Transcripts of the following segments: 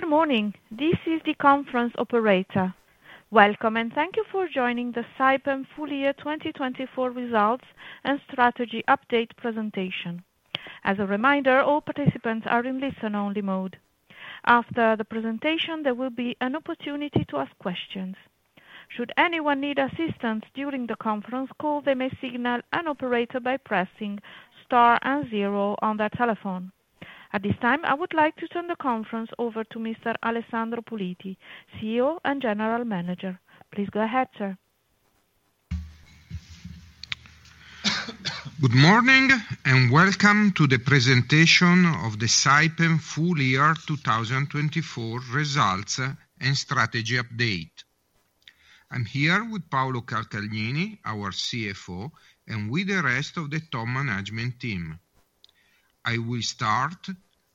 Good morning, this is the conference operator. Welcome and thank you for joining the Saipem Full Year 2024 Results and Strategy Update presentation. As a reminder, all participants are in listen-only mode. After the presentation, there will be an opportunity to ask questions. Should anyone need assistance during the conference call, they may signal an operator by pressing star and zero on their telephone. At this time, I would like to turn the conference over to Mr. Alessandro Puliti, CEO and General Manager. Please go ahead, sir. Good morning and welcome to the presentation of the Saipem Full Year 2024 Results and Strategy Update. I'm here with Paolo Calcagnini, our CFO, and with the rest of the top management team. I will start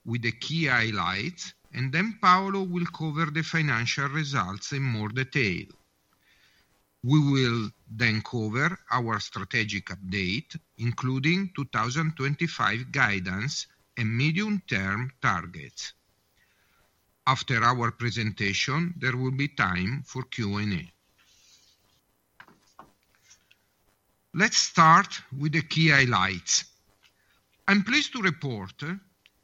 with the key highlights, and then Paolo will cover the financial results in more detail. We will then cover our strategic update, including 2025 guidance and medium-term targets. After our presentation, there will be time for Q&A. Let's start with the key highlights. I'm pleased to report that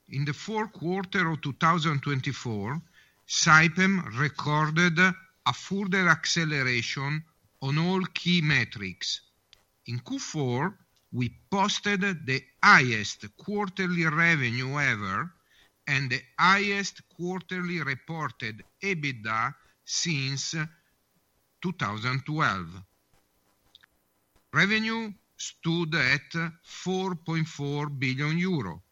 in the fourth quarter of 2024, Saipem recorded a further acceleration on all key metrics. In Q4, we posted the highest quarterly revenue ever and the highest quarterly reported EBITDA since 2012. Revenue stood at 4.4 billion euro,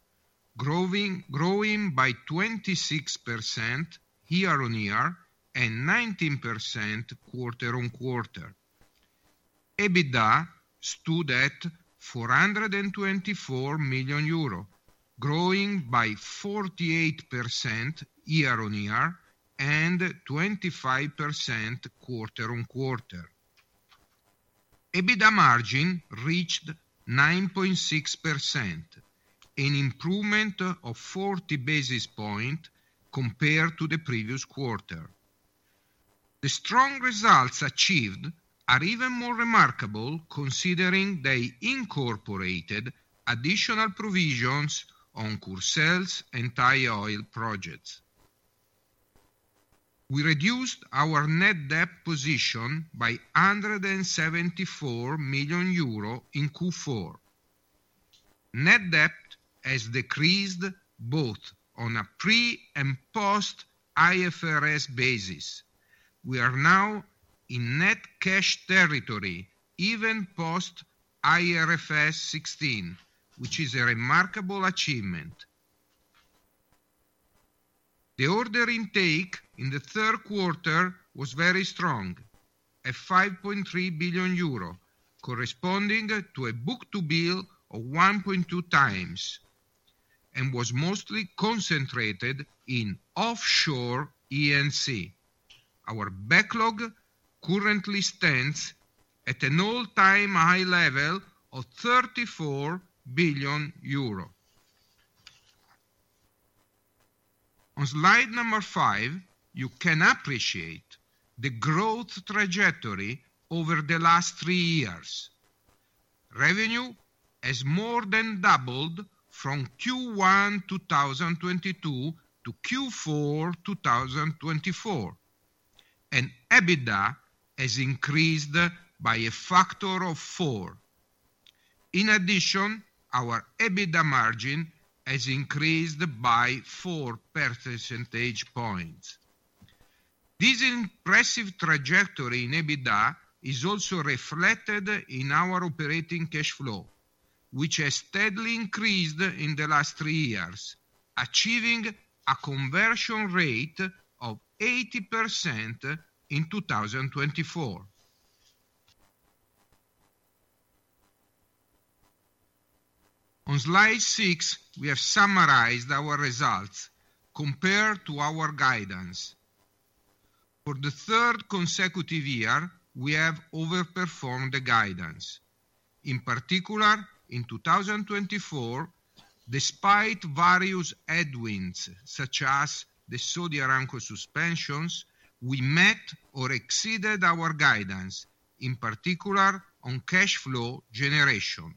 growing by 26% year-on-year and 19% quarter-on-quarter. EBITDA stood at 424 million euro, growing by 48% year-on-year and 25% quarter-on-quarter. EBITDA margin reached 9.6%, an improvement of 40 basis points compared to the previous quarter. The strong results achieved are even more remarkable considering they incorporated additional provisions on Courseulles-sur-Mer and Thai Oil projects. We reduced our net debt position by 174 million euro in Q4. Net debt has decreased both on a pre- and post-IFRS basis. We are now in net cash territory even post-IFRS 16, which is a remarkable achievement. The order intake in the third quarter was very strong, at 5.3 billion euro, corresponding to a book-to-bill of 1.2 times, and was mostly concentrated in offshore E&C. Our backlog currently stands at an all-time high level of EUR 34 billion. On slide number five, you can appreciate the growth trajectory over the last three years. Revenue has more than doubled from Q1 2022 to Q4 2024, and EBITDA has increased by a factor of four. In addition, our EBITDA margin has increased by four percentage points. This impressive trajectory in EBITDA is also reflected in our operating cash flow, which has steadily increased in the last three years, achieving a conversion rate of 80% in 2024. On slide six, we have summarized our results compared to our guidance. For the third consecutive year, we have overperformed the guidance. In particular, in 2024, despite various headwinds such as the Saudi Aramco suspensions, we met or exceeded our guidance, in particular on cash flow generation.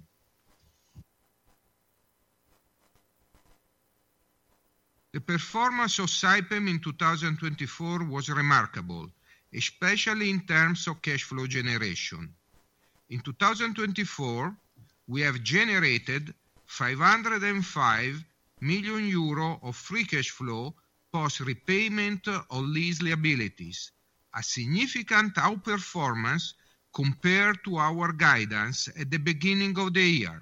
The performance of Saipem in 2024 was remarkable, especially in terms of cash flow generation. In 2024, we have generated 505 million euro of free cash flow post-repayment on lease liabilities, a significant outperformance compared to our guidance at the beginning of the year.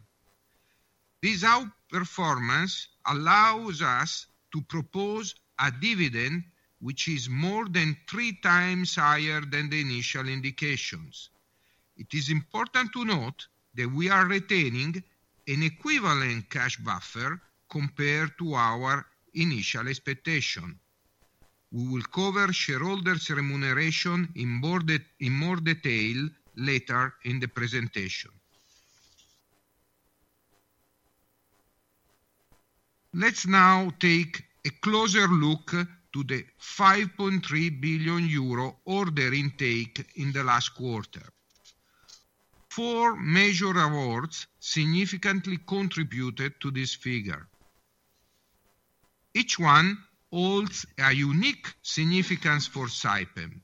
This outperformance allows us to propose a dividend which is more than three times higher than the initial indications. It is important to note that we are retaining an equivalent cash buffer compared to our initial expectation. We will cover shareholders' remuneration in more detail later in the presentation. Let's now take a closer look at the 5.3 billion euro order intake in the last quarter. Four major awards significantly contributed to this figure. Each one holds a unique significance for Saipem.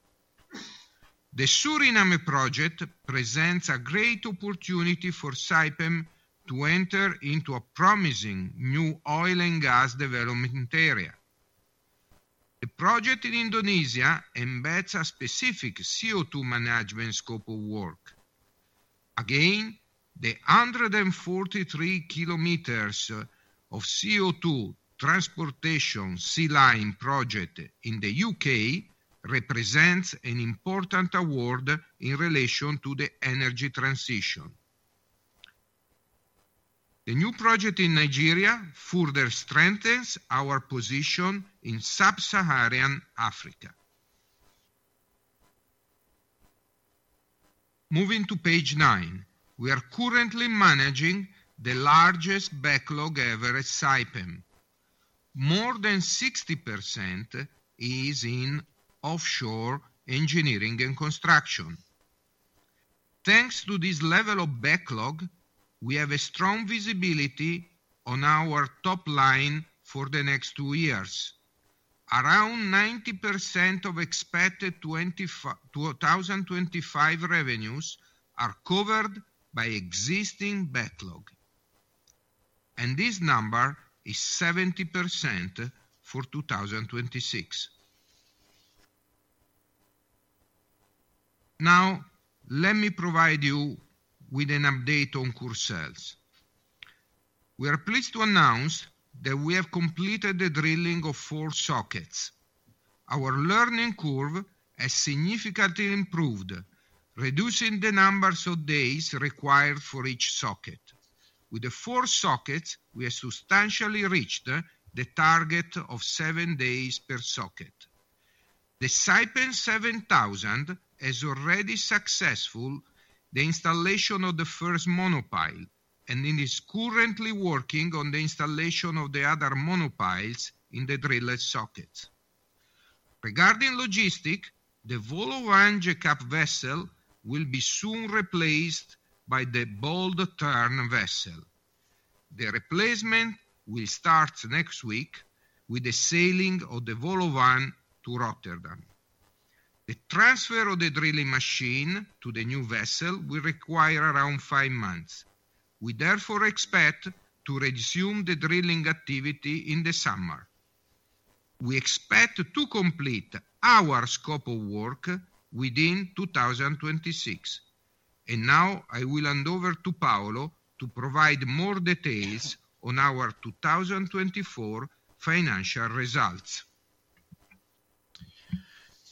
The Suriname project presents a great opportunity for Saipem to enter into a promising new oil and gas development area. The project in Indonesia embeds a specific CO2 management scope of work. Again, the 143 km of CO2 transportation sealine project in the U.K. represents an important award in relation to the energy transition. The new project in Nigeria further strengthens our position in Sub-Saharan Africa. Moving to page nine, we are currently managing the largest backlog ever at Saipem. More than 60% is in offshore engineering and construction. Thanks to this level of backlog, we have a strong visibility on our top line for the next two years. Around 90% of expected 2025 revenues are covered by existing backlog, and this number is 70% for 2026. Now, let me provide you with an update on Courseulles. We are pleased to announce that we have completed the drilling of four sockets. Our learning curve has significantly improved, reducing the number of days required for each socket. With the four sockets, we have substantially reached the target of seven days per socket. The Saipem 7000 has already successfully completed the installation of the first monopile and is currently working on the installation of the other monopiles in the drilled sockets. Regarding logistics, the Vole au Vent jack-up vessel will be soon replaced by the Bold Tern vessel. The replacement will start next week with the sailing of the Vole au Vent to Rotterdam. The transfer of the drilling machine to the new vessel will require around five months. We therefore expect to resume the drilling activity in the summer. We expect to complete our scope of work within 2026, and now I will hand over to Paolo to provide more details on our 2024 financial results.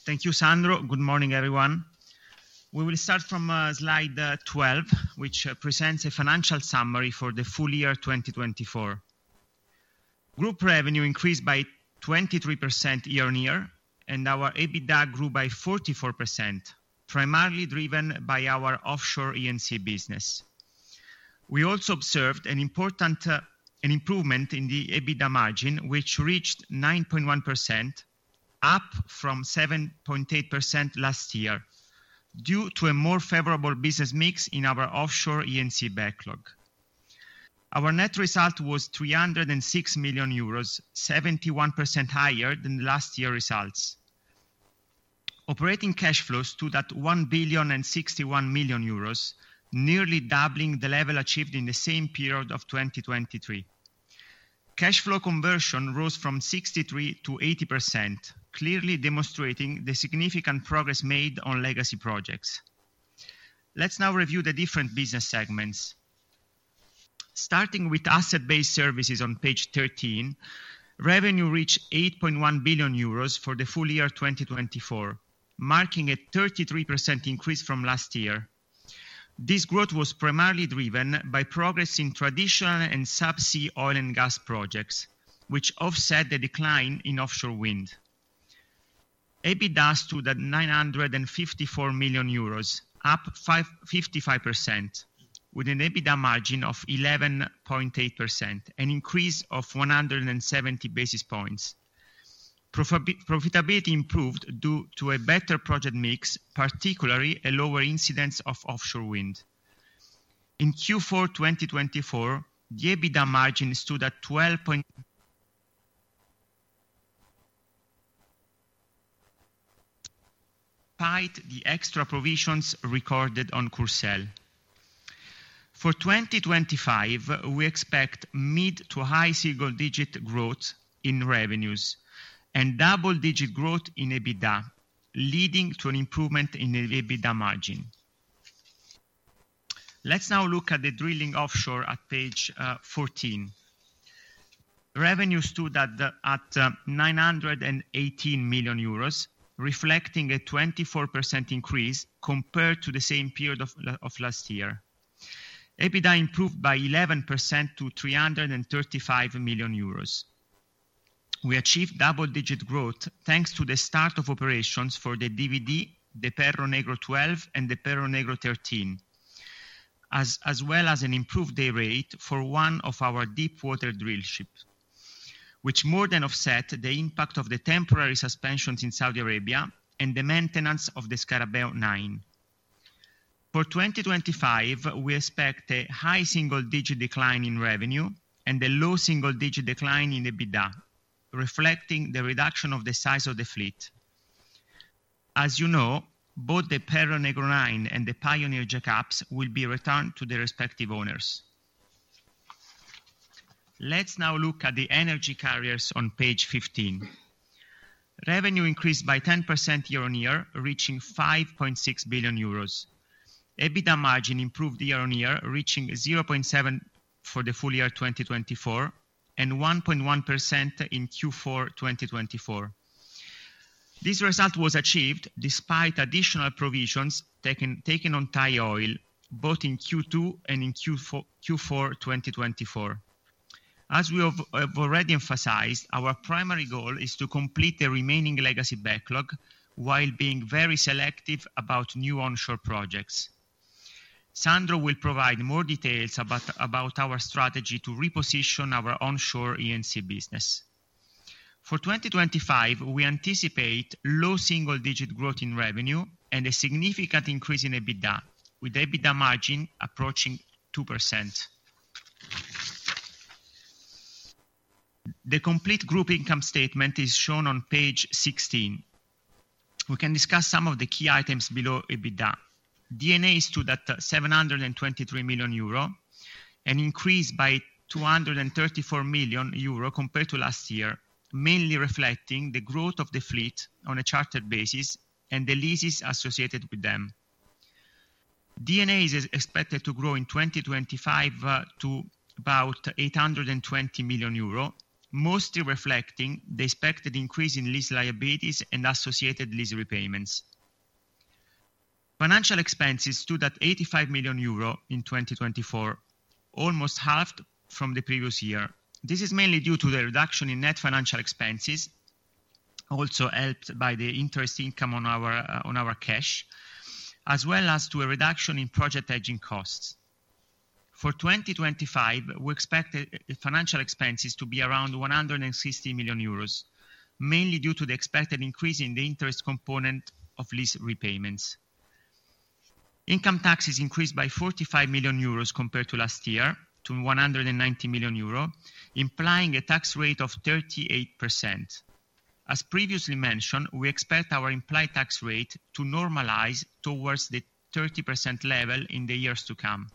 Thank you, Sandro. Good morning, everyone. We will start from slide 12, which presents a financial summary for the full year 2024. Group revenue increased by 23% year-on-year, and our EBITDA grew by 44%, primarily driven by our offshore E&C business. We also observed an improvement in the EBITDA margin, which reached 9.1%, up from 7.8% last year due to a more favorable business mix in our offshore E&C backlog. Our net result was 306 million euros, 71% higher than last year's results. Operating cash flows stood at 1.61 billion, nearly doubling the level achieved in the same period of 2023. Cash flow conversion rose from 63%-80%, clearly demonstrating the significant progress made on legacy projects. Let's now review the different business segments. Starting with asset-based services on page 13, revenue reached 8.1 billion euros for the full year 2024, marking a 33% increase from last year. This growth was primarily driven by progress in traditional and subsea oil and gas projects, which offset the decline in offshore wind. EBITDA stood at 954 million euros, up 55%, with an EBITDA margin of 11.8%, an increase of 170 basis points. Profitability improved due to a better project mix, particularly a lower incidence of offshore wind. In Q4 2024, the EBITDA margin stood at 12.5%, tied to the extra provisions recorded on Courseulles. For 2025, we expect mid to high single-digit growth in revenues and double-digit growth in EBITDA, leading to an improvement in the EBITDA margin. Let's now look at the drilling offshore at page 14. Revenue stood at 918 million euros, reflecting a 24% increase compared to the same period of last year. EBITDA improved by 11% to 335 million euros. We achieved double-digit growth thanks to the start of operations for the DVD, the Perro Negro 12, and the Perro Negro 13, as well as an improved day rate for one of our deep-water drill ships, which more than offset the impact of the temporary suspensions in Saudi Arabia and the maintenance of the Scarabeo 9. For 2025, we expect a high single-digit decline in revenue and a low single-digit decline in EBITDA, reflecting the reduction of the size of the fleet. As you know, both the Perro Negro 9 and the Pioneer jack-ups will be returned to their respective owners. Let's now look at the energy carriers on page 15. Revenue increased by 10% year-on-year, reaching 5.6 billion euros. EBITDA margin improved year-on-year, reaching 0.7% for the full year 2024 and 1.1% in Q4 2024. This result was achieved despite additional provisions taken on Thai Oil both in Q2 and in Q4 2024. As we have already emphasized, our primary goal is to complete the remaining legacy backlog while being very selective about new onshore projects. Sandro will provide more details about our strategy to reposition our onshore E&C business. For 2025, we anticipate low single-digit growth in revenue and a significant increase in EBITDA, with EBITDA margin approaching 2%. The complete group income statement is shown on page 16. We can discuss some of the key items below EBITDA. D&A stood at 723 million euro, an increase by 234 million euro compared to last year, mainly reflecting the growth of the fleet on a chartered basis and the leases associated with them. D&A is expected to grow in 2025 to about 820 million euro, mostly reflecting the expected increase in lease liabilities and associated lease repayments. Financial expenses stood at 85 million euro in 2024, almost halved from the previous year. This is mainly due to the reduction in net financial expenses, also helped by the interest income on our cash, as well as to a reduction in project hedging costs. For 2025, we expect the financial expenses to be around 160 million euros, mainly due to the expected increase in the interest component of lease repayments. Income taxes increased by 45 million euros compared to last year to 190 million euro, implying a tax rate of 38%. As previously mentioned, we expect our implied tax rate to normalize towards the 30% level in the years to come.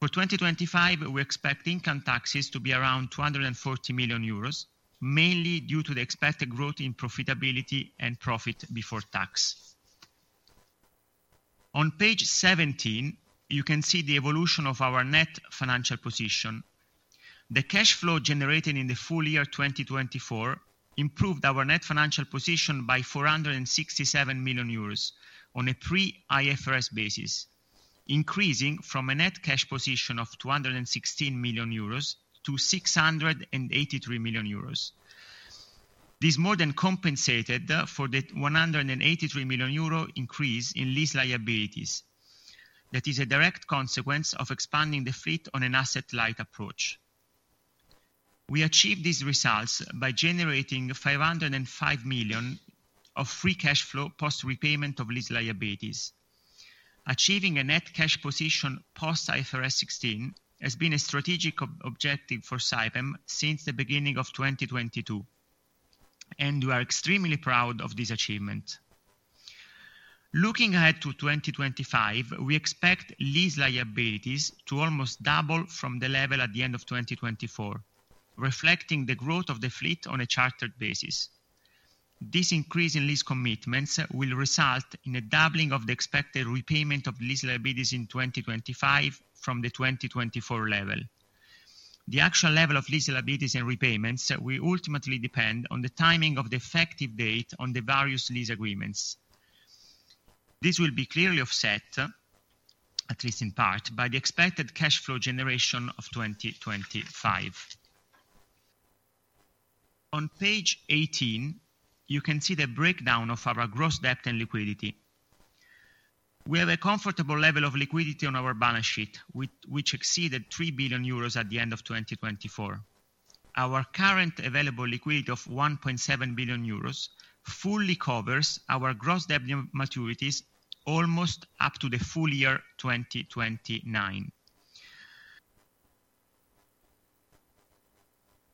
For 2025, we expect income taxes to be around 240 million euros, mainly due to the expected growth in profitability and profit before tax. On page 17, you can see the evolution of our net financial position. The cash flow generated in the full year 2024 improved our net financial position by 467 million euros on a pre-IFRS basis, increasing from a net cash position of 216 million euros to 683 million euros. This more than compensated for the 183 million euro increase in lease liabilities. That is a direct consequence of expanding the fleet on an asset-light approach. We achieved these results by generating 505 million of free cash flow post-repayment of lease liabilities. Achieving a net cash position post-IFRS 16 has been a strategic objective for Saipem since the beginning of 2022, and we are extremely proud of this achievement. Looking ahead to 2025, we expect lease liabilities to almost double from the level at the end of 2024, reflecting the growth of the fleet on a chartered basis. This increase in lease commitments will result in a doubling of the expected repayment of lease liabilities in 2025 from the 2024 level. The actual level of lease liabilities and repayments will ultimately depend on the timing of the effective date on the various lease agreements. This will be clearly offset, at least in part, by the expected cash flow generation of 2025. On page 18, you can see the breakdown of our gross debt and liquidity. We have a comfortable level of liquidity on our balance sheet, which exceeded 3 billion euros at the end of 2024. Our current available liquidity of 1.7 billion euros fully covers our gross debt maturities almost up to the full year 2029.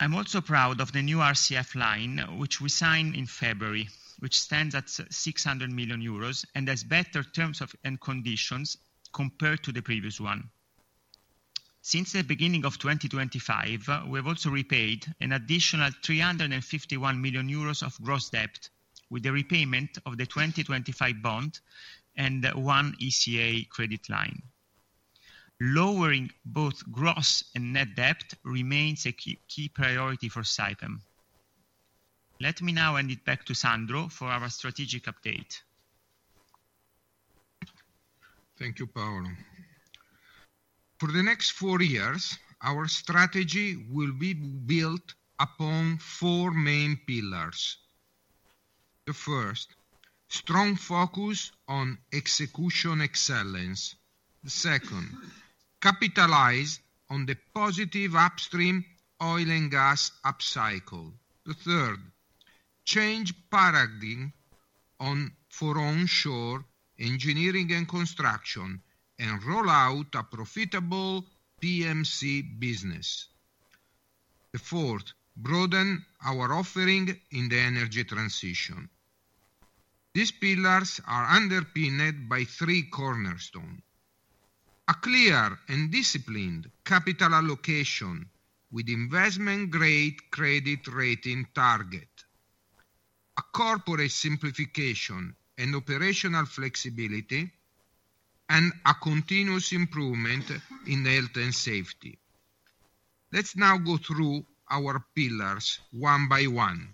I'm also proud of the new RCF line, which we signed in February, which stands at 600 million euros and has better terms and conditions compared to the previous one. Since the beginning of 2025, we have also repaid an additional 351 million euros of gross debt with the repayment of the 2025 bond and one ECA credit line. Lowering both gross and net debt remains a key priority for Saipem. Let me now hand it back to Sandro for our strategic update. Thank you, Paolo. For the next four years, our strategy will be built upon four main pillars. The first, strong focus on execution excellence. The second, capitalize on the positive upstream oil and gas upcycle. The third, change the paradigm for onshore engineering and construction and roll out a profitable PMC business. The fourth, broaden our offering in the energy transition. These pillars are underpinned by three cornerstones: a clear and disciplined capital allocation with investment-grade credit rating target, a corporate simplification and operational flexibility, and a continuous improvement in health and safety. Let's now go through our pillars one by one.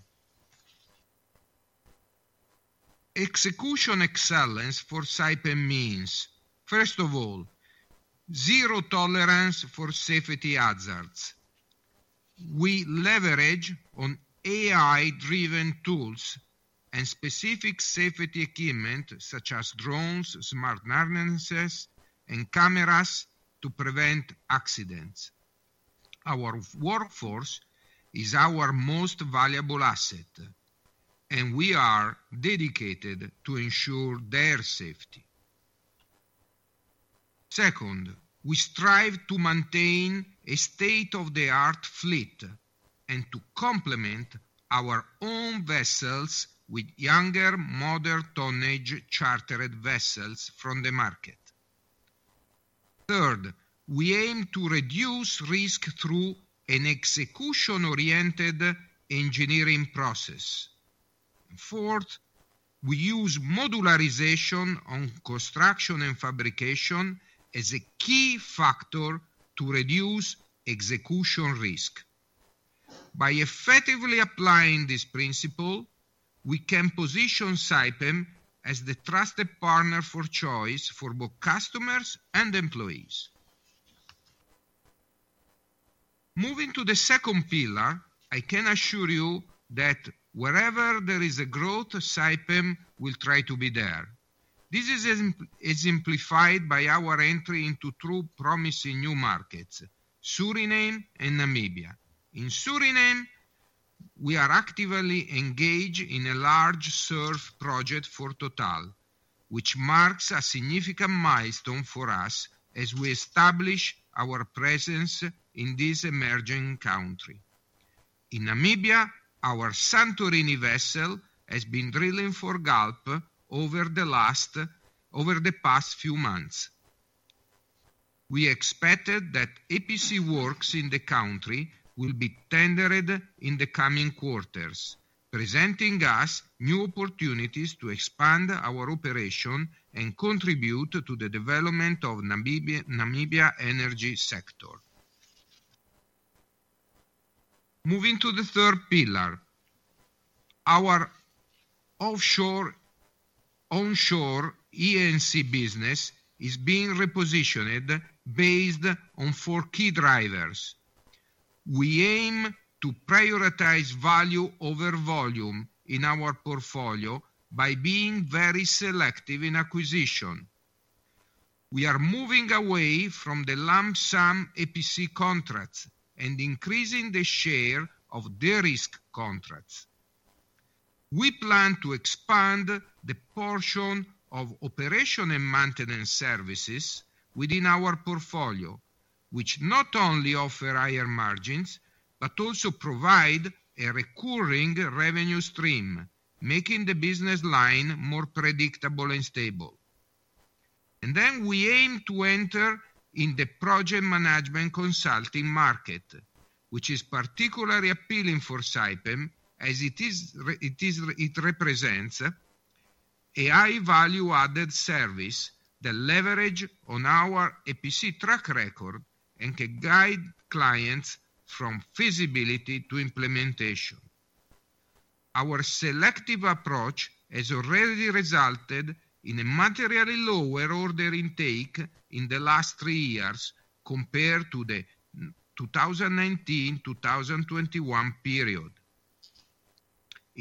Execution excellence for Saipem means, first of all, zero tolerance for safety hazards. We leverage on AI-driven tools and specific safety equipment, such as drones, smart harnesses, and cameras, to prevent accidents. Our workforce is our most valuable asset, and we are dedicated to ensuring their safety. Second, we strive to maintain a state-of-the-art fleet and to complement our own vessels with younger modern tonnage chartered vessels from the market. Third, we aim to reduce risk through an execution-oriented engineering process. Fourth, we use modularization on construction and fabrication as a key factor to reduce execution risk. By effectively applying this principle, we can position Saipem as the trusted partner of choice for both customers and employees. Moving to the second pillar, I can assure you that wherever there is a growth, Saipem will try to be there. This is exemplified by our entry into three promising new markets: Suriname and Namibia. In Suriname, we are actively engaged in a large SURF project for Total, which marks a significant milestone for us as we establish our presence in this emerging country. In Namibia, our Santorini vessel has been drilling for Galp over the past few months. We expected that EPC works in the country will be tendered in the coming quarters, presenting us new opportunities to expand our operation and contribute to the development of Namibia's energy sector. Moving to the third pillar, our offshore and onshore E&C business is being repositioned based on four key drivers. We aim to prioritize value over volume in our portfolio by being very selective in acquisition. We are moving away from the lump sum EPC contracts and increasing the share of de-risk contracts. We plan to expand the portion of operation and maintenance services within our portfolio, which not only offer higher margins but also provide a recurring revenue stream, making the business line more predictable and stable. And then we aim to enter in the project management consulting market, which is particularly appealing for Saipem, as it represents AI value-added services that leverage on our EPC track record and can guide clients from feasibility to implementation. Our selective approach has already resulted in a materially lower order intake in the last three years compared to the 2019-2021 period.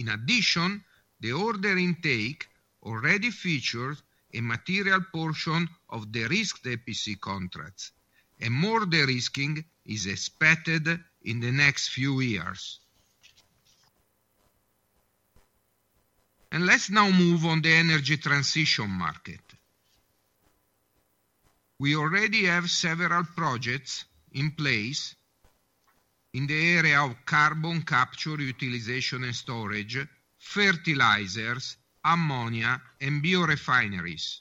In addition, the order intake already features a material portion of the risked EPC contracts, and more de-risking is expected in the next few years. And let's now move on to the energy transition market. We already have several projects in place in the area of carbon capture, utilization, and storage, fertilizers, ammonia, and biorefineries.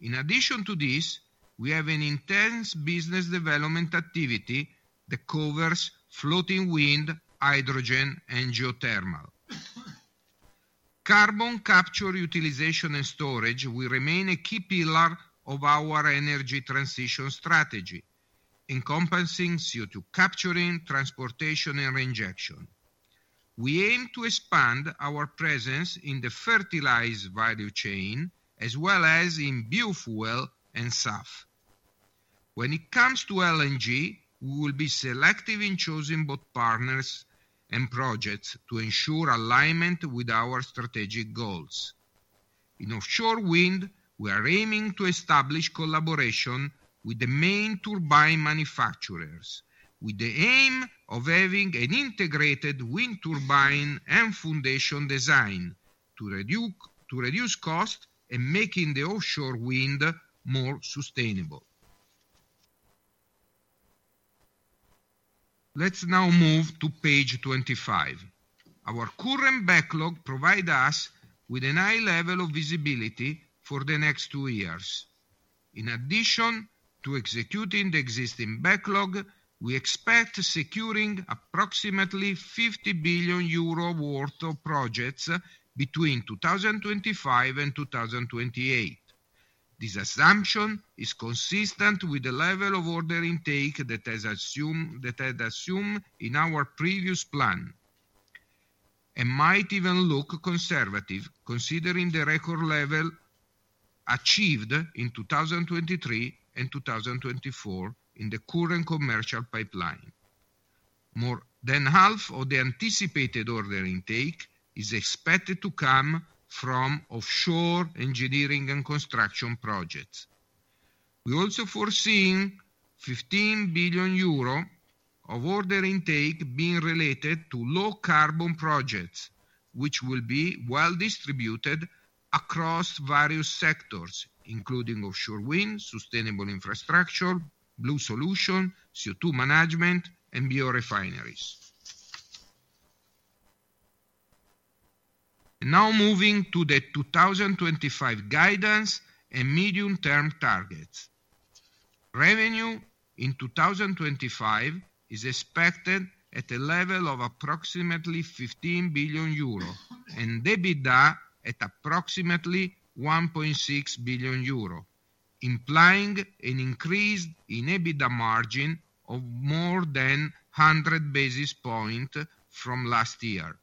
In addition to this, we have an intense business development activity that covers floating wind, hydrogen, and geothermal. Carbon capture, utilization, and storage will remain a key pillar of our energy transition strategy, encompassing CO2 capturing, transportation, and reinjection. We aim to expand our presence in the fertilizer value chain, as well as in biofuel and SAF. When it comes to LNG, we will be selective in choosing both partners and projects to ensure alignment with our strategic goals. In offshore wind, we are aiming to establish collaboration with the main turbine manufacturers, with the aim of having an integrated wind turbine and foundation design to reduce costs and make the offshore wind more sustainable. Let's now move to page 25. Our current backlog provides us with a high level of visibility for the next two years. In addition to executing the existing backlog, we expect to secure approximately 50 billion euro worth of projects between 2025 and 2028. This assumption is consistent with the level of order intake that has been assumed in our previous plan. It might even look conservative considering the record level achieved in 2023 and 2024 in the current commercial pipeline. More than half of the anticipated order intake is expected to come from offshore engineering and construction projects. We also foresee 15 billion euro of order intake being related to low carbon projects, which will be well distributed across various sectors, including offshore wind, sustainable infrastructure, blue solutions, CO2 management, and biorefineries. Now moving to the 2025 guidance and medium-term targets. Revenue in 2025 is expected at a level of approximately 15 billion euro and EBITDA at approximately 1.6 billion euro, implying an increase in EBITDA margin of more than 100 basis points from last year.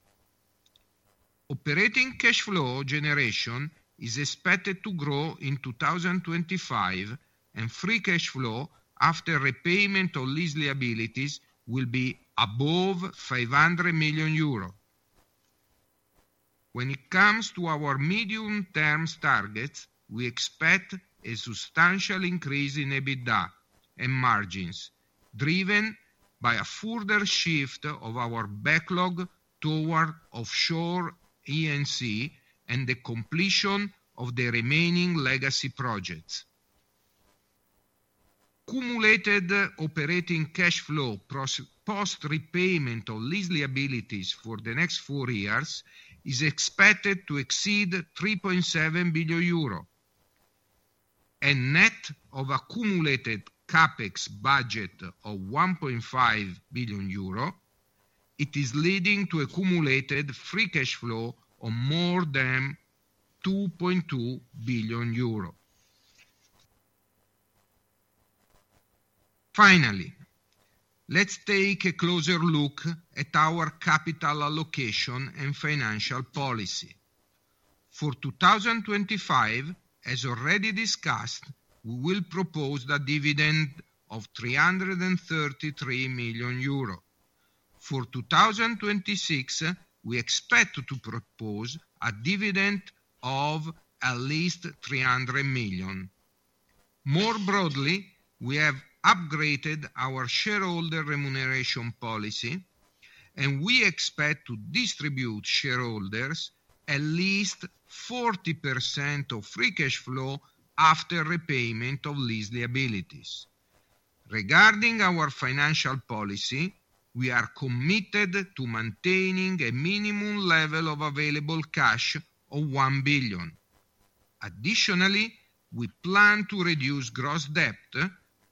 Operating cash flow generation is expected to grow in 2025, and free cash flow after repayment of lease liabilities will be above 500 million euro. When it comes to our medium-term targets, we expect a substantial increase in EBITDA and margins driven by a further shift of our backlog toward offshore E&C and the completion of the remaining legacy projects. Accumulated operating cash flow post-repayment of lease liabilities for the next four years is expected to exceed 3.7 billion euro. A net of accumulated CapEx budget of 1.5 billion euro, it is leading to accumulated free cash flow of more than EUR 2.2 billion. Finally, let's take a closer look at our capital allocation and financial policy. For 2025, as already discussed, we will propose a dividend of 333 million euro. For 2026, we expect to propose a dividend of at least 300 million. More broadly, we have upgraded our shareholder remuneration policy, and we expect to distribute to shareholders at least 40% of free cash flow after repayment of lease liabilities. Regarding our financial policy, we are committed to maintaining a minimum level of available cash of 1 billion. Additionally, we plan to reduce gross debt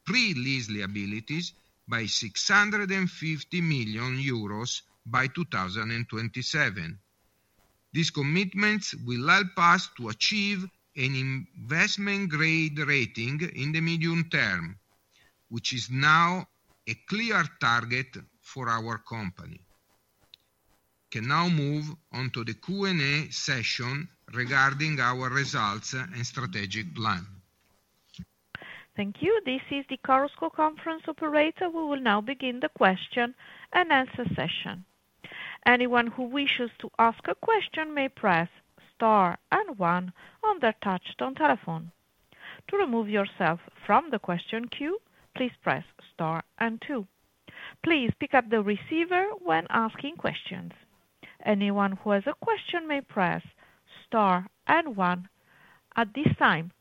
pre-lease liabilities by 650 million euros by 2027. These commitments will help us to achieve an investment-grade rating in the medium term, which is now a clear target for our company. We can now move on to the Q&A session regarding our results and strategic plan. Thank you. This is the Chorus Call Operator. We will now begin the question and answer session. Anyone who wishes to ask a question may press star and one on their touch-tone telephone. To remove yourself from the question queue, please press star and two. Please pick up the receiver when asking questions. Anyone who has a question may press star and one at this time.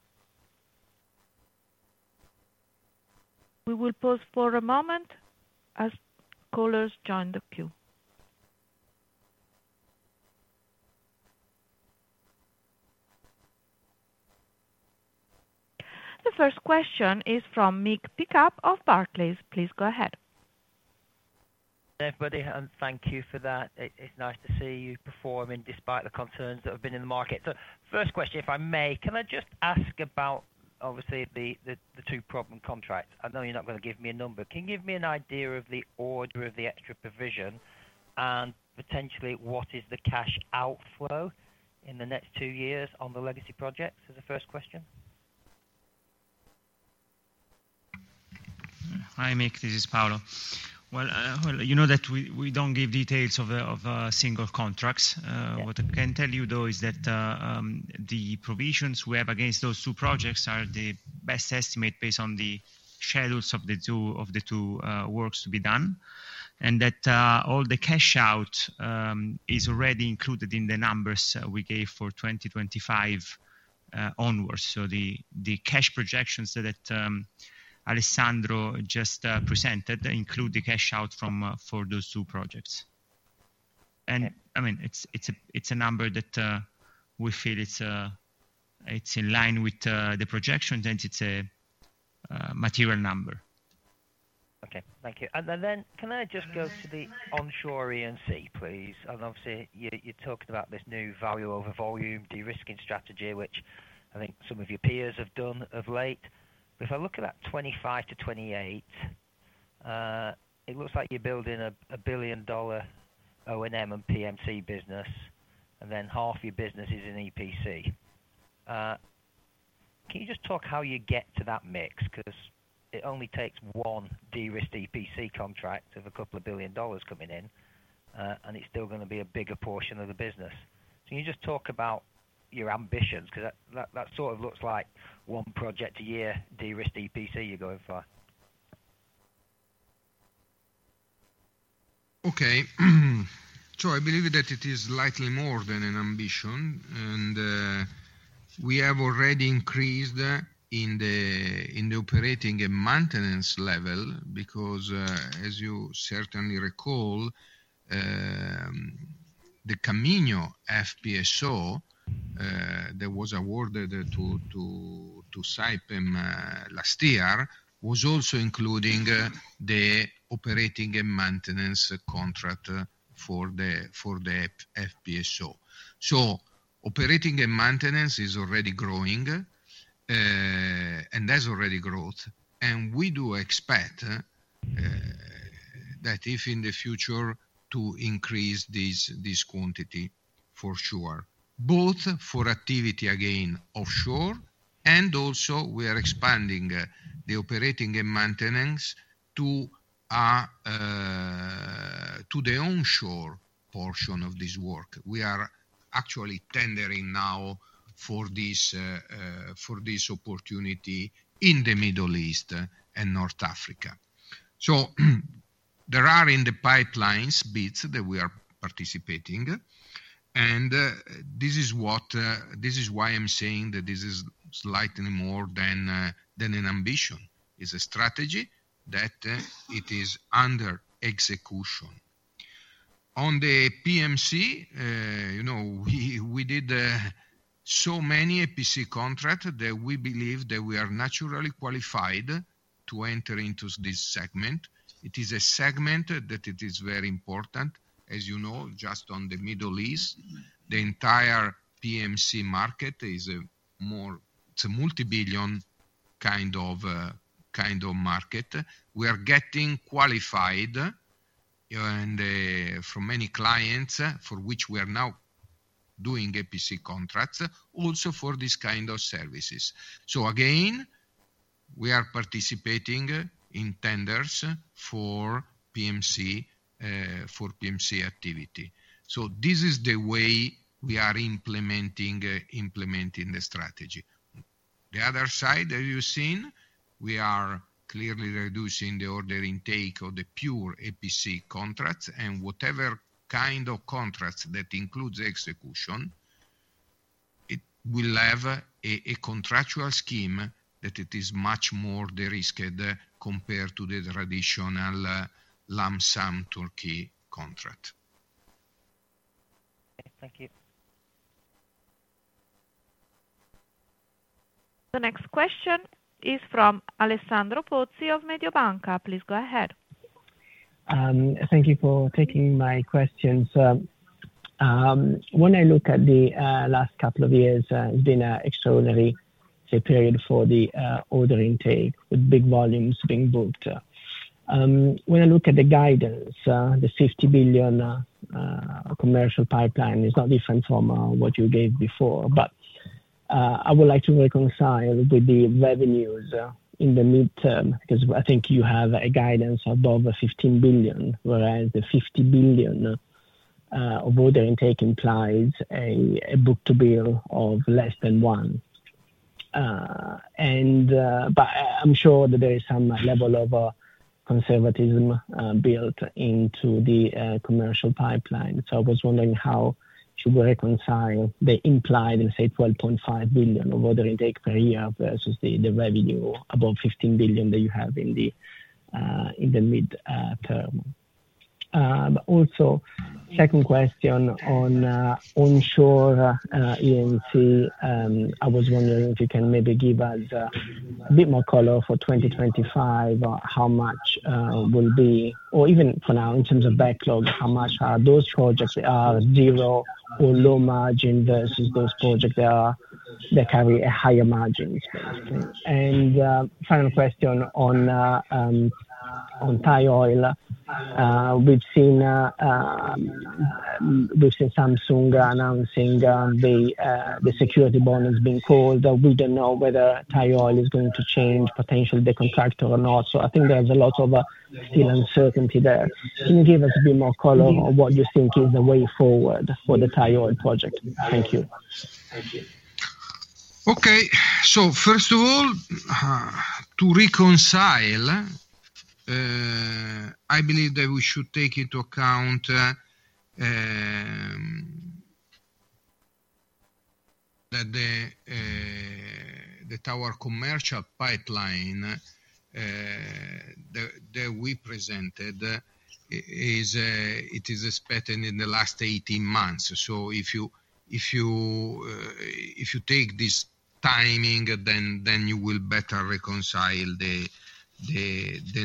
We will pause for a moment as callers join the queue. The first question is from Mick Pickup of Barclays. Please go ahead. Everybody, thank you for that. It's nice to see you performing despite the concerns that have been in the market. First question, if I may, can I just ask about, obviously, the two problem contracts? I know you're not going to give me a number. Can you give me an idea of the order of the extra provision and potentially what is the cash outflow in the next two years on the legacy projects as a first question? Hi, Mick. This is Paolo. You know that we don't give details of single contracts. What I can tell you, though, is that the provisions we have against those two projects are the best estimate based on the schedules of the two works to be done, and that all the cash out is already included in the numbers we gave for 2025 onwards. The cash projections that Alessandro just presented include the cash out for those two projects. I mean, it's a number that we feel it's in line with the projections and it's a material number. Okay. Thank you. And then can I just go to the onshore E&C, please? And obviously, you're talking about this new value over volume de-risking strategy, which I think some of your peers have done of late. But if I look at that 25-28, it looks like you're building a billion-dollar O&M and PMC business, and then half your business is in EPC. Can you just talk how you get to that mix? Because it only takes one de-risked EPC contract of a couple of billion dollars coming in, and it's still going to be a bigger portion of the business. Can you just talk about your ambitions? Because that sort of looks like one project a year de-risked EPC you're going for? Okay, so I believe that it is slightly more than an ambition, and we have already increased in the operating and maintenance level because, as you certainly recall, the Kaminho FPSO that was awarded to Saipem last year was also including the operating and maintenance contract for the FPSO. So operating and maintenance is already growing, and there's already growth, and we do expect that if in the future to increase this quantity for sure, both for activity again offshore, and also we are expanding the operating and maintenance to the onshore portion of this work. We are actually tendering now for this opportunity in the Middle East and North Africa. So there are in the pipelines bits that we are participating, and this is why I'm saying that this is slightly more than an ambition. It's a strategy that it is under execution. On the PMC, we did so many EPC contracts that we believe that we are naturally qualified to enter into this segment. It is a segment that is very important. As you know, just on the Middle East, the entire PMC market is a multi-billion kind of market. We are getting qualified from many clients for which we are now doing EPC contracts, also for this kind of services. So again, we are participating in tenders for PMC activity. So this is the way we are implementing the strategy. The other side that you've seen, we are clearly reducing the order intake of the pure EPC contracts, and whatever kind of contracts that includes execution, it will have a contractual scheme that it is much more de-risked compared to the traditional lump sum turnkey contract. Thank you. The next question is from Alessandro Pozzi of Mediobanca. Please go ahead. Thank you for taking my questions. When I look at the last couple of years, it's been an extraordinary period for the order intake with big volumes being booked. When I look at the guidance, the 50 billion commercial pipeline is not different from what you gave before, but I would like to reconcile with the revenues in the midterm because I think you have a guidance above 15 billion, whereas the 50 billion of order intake implies a book-to-bill of less than one. And I'm sure that there is some level of conservatism built into the commercial pipeline. So I was wondering how should we reconcile the implied and say 12.5 billion of order intake per year versus the revenue above 15 billion that you have in the midterm? But also, second question on onshore E&C. I was wondering if you can maybe give us a bit more color for 2025, how much will be, or even for now in terms of backlog, how much are those projects that are zero or low margin versus those projects that carry a higher margin. And final question on Thai oil. We've seen Samsung announcing the security bond has been called. We don't know whether Thai oil is going to change potentially the contractor or not. So I think there's a lot of still uncertainty there. Can you give us a bit more color on what you think is the way forward for the Thai oil project? Thank you. Okay. So first of all, to reconcile, I believe that we should take into account that our commercial pipeline that we presented, it is expected in the last 18 months. So if you take this timing, then you will better reconcile the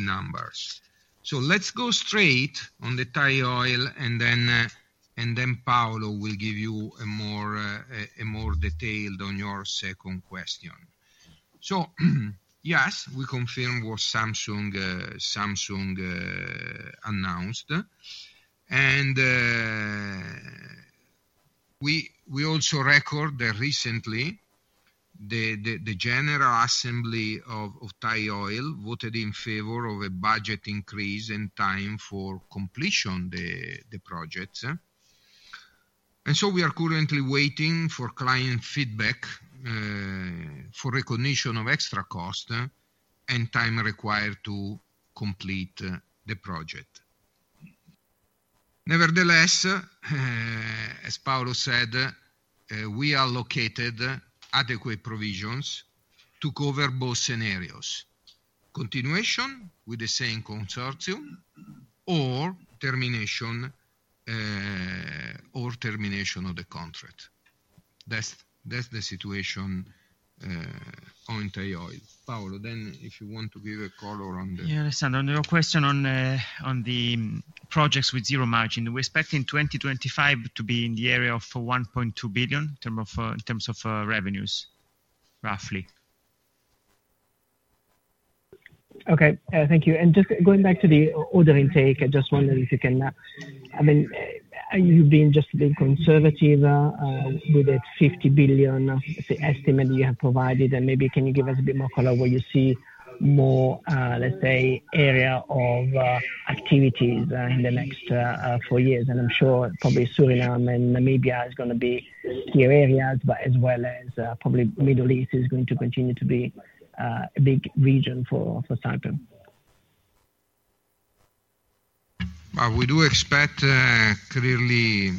numbers. So let's go straight on the Thai Oil, and then Paolo will give you a more detailed on your second question. So yes, we confirm what Samsung announced, and we also note that recently the general assembly of Thai Oil voted in favor of a budget increase and time for completion of the projects. And so we are currently waiting for client feedback for recognition of extra cost and time required to complete the project. Nevertheless, as Paolo said, we have allocated adequate provisions to cover both scenarios: continuation with the same consortium or termination of the contract. That's the situation on Thai Oil. Paolo, then if you want to give a color on the. Yeah, Alessandro, on your question on the projects with zero margin, we're expecting 2025 to be in the area of 1.2 billion in terms of revenues, roughly. Okay. Thank you, and just going back to the order intake, I just wonder if you can, I mean, you've been just being conservative with that 50 billion estimate that you have provided, and maybe can you give us a bit more color where you see more, let's say, area of activities in the next four years? And I'm sure probably Suriname and Namibia is going to be your areas, but as well as probably the Middle East is going to continue to be a big region for Saipem. We do expect clearly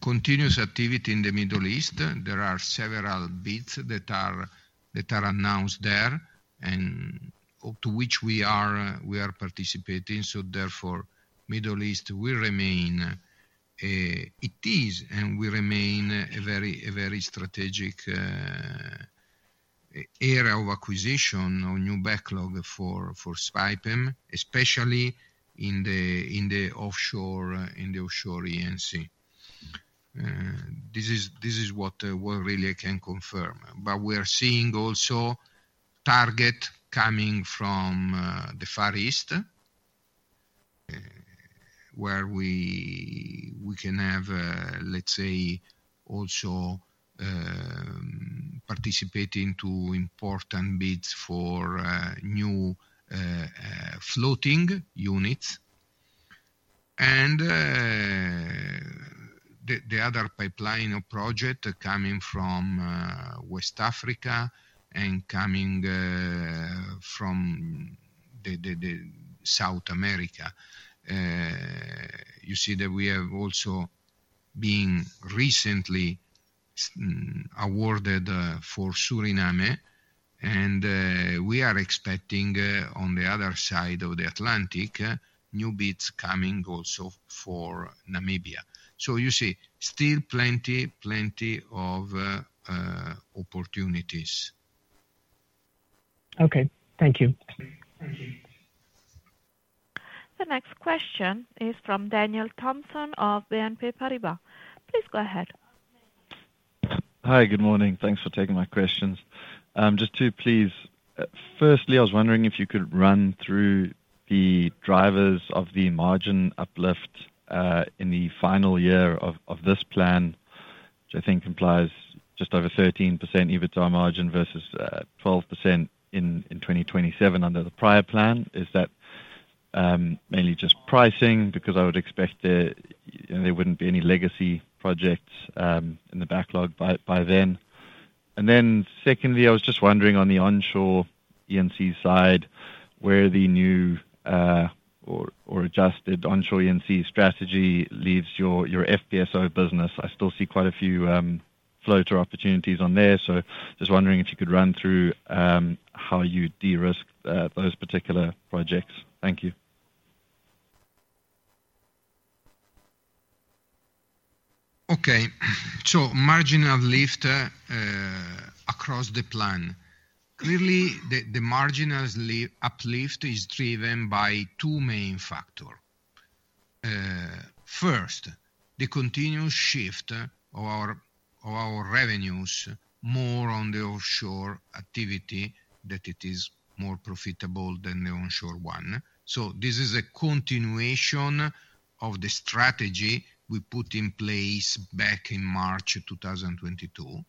continuous activity in the Middle East. There are several bits that are announced there and to which we are participating, so therefore Middle East, we remain, it is, and we remain a very strategic area of acquisition or new backlog for Saipem, especially in the offshore E&C. This is what really I can confirm, but we are seeing also target coming from the Far East, where we can have, let's say, also participating to important bids for new floating units, and the other pipeline of projects coming from West Africa and coming from South America. You see that we have also been recently awarded for Suriname, and we are expecting on the other side of the Atlantic new bids coming also for Namibia, so you see still plenty of opportunities. Okay. Thank you. Thank you. The next question is from Daniel Thomson of BNP Paribas. Please go ahead. Hi, good morning. Thanks for taking my questions. Just to please, firstly, I was wondering if you could run through the drivers of the margin uplift in the final year of this plan, which I think implies just over 13% EBITDA margin versus 12% in 2027 under the prior plan. Is that mainly just pricing because I would expect there wouldn't be any legacy projects in the backlog by then? And then secondly, I was just wondering on the onshore E&C side, where the new or adjusted onshore E&C strategy leaves your FPSO business. I still see quite a few floater opportunities on there. So just wondering if you could run through how you de-risk those particular projects. Thank you. Okay. So margin uplift across the plan. Clearly, the margin uplift is driven by two main factors. First, the continuous shift of our revenues more on the offshore activity that it is more profitable than the onshore one. So this is a continuation of the strategy we put in place back in March 2022.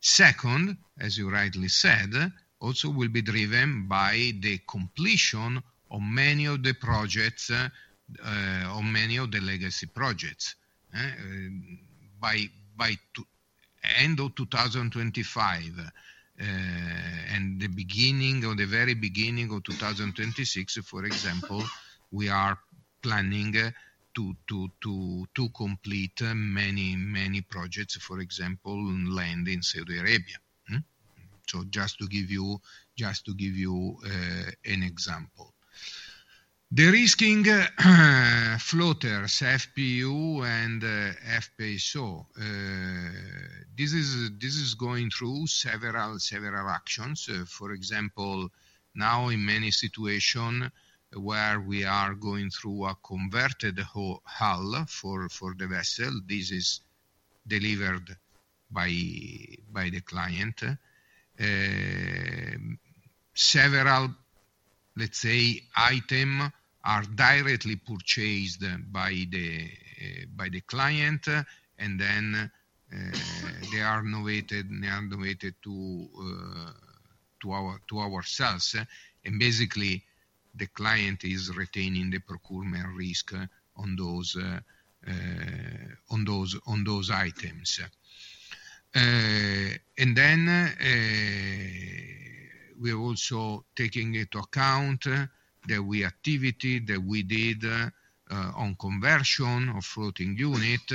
Second, as you rightly said, also will be driven by the completion of many of the projects or many of the legacy projects. By the end of 2025 and the very beginning of 2026, for example, we are planning to complete many projects, for example, LNG in Saudi Arabia. So just to give you an example. The de-risking floaters, FPU and FPSO, this is going through several actions. For example, now in many situations where we are going through a converted hull for the vessel, this is delivered by the client. Several, let's say, items are directly purchased by the client, and then they are donated to ourselves. And basically, the client is retaining the procurement risk on those items. And then we are also taking into account the activity that we did on conversion of floating unit,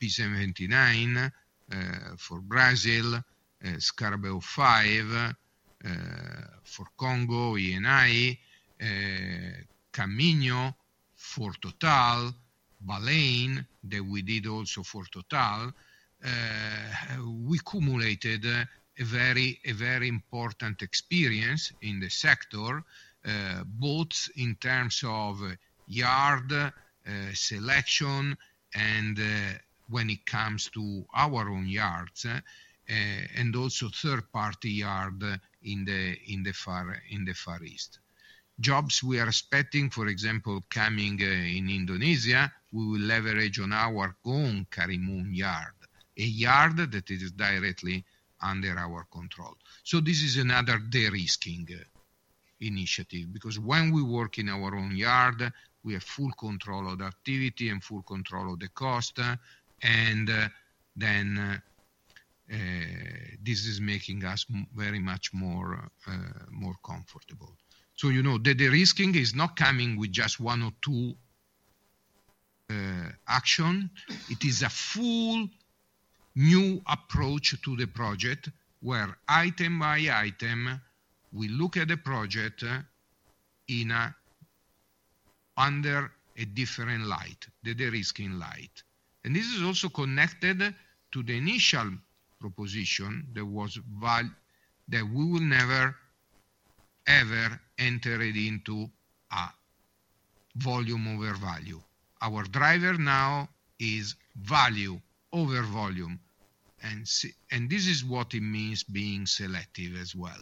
P-79 for Brazil, Scarabeo 5 for Congo, Eni, Kaminho for Total, Baleine that we did also for Total. We cumulated a very important experience in the sector, both in terms of yard selection and when it comes to our own yards and also third-party yard in the Far East. Jobs we are expecting, for example, coming in Indonesia, we will leverage on our own Karimun yard, a yard that is directly under our control. So this is another de-risking initiative because when we work in our own yard, we have full control of the activity and full control of the cost. This is making us very much more comfortable. The de-risking is not coming with just one or two actions. It is a full new approach to the project where item by item, we look at the project under a different light, the de-risking light. This is also connected to the initial proposition that we will never ever enter it into a volume over value. Our driver now is value over volume. This is what it means being selective as well.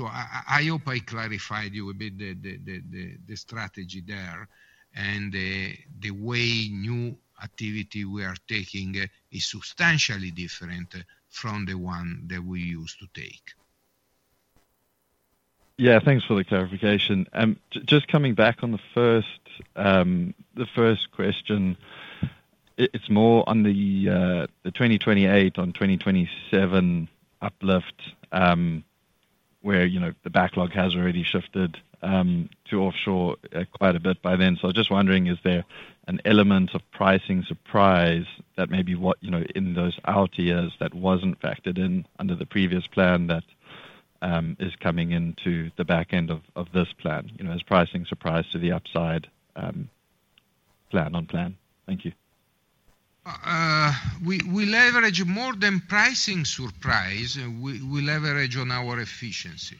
I hope I clarified you a bit the strategy there and the way new activity we are taking is substantially different from the one that we used to take. Yeah, thanks for the clarification. Just coming back on the first question, it's more on the 2028 on 2027 uplift where the backlog has already shifted to offshore quite a bit by then. So I was just wondering, is there an element of pricing surprise that maybe in those out years that wasn't factored in under the previous plan that is coming into the back end of this plan as pricing surprise to the upside plan on plan? Thank you. We leverage more than pricing surprise. We leverage on our efficiency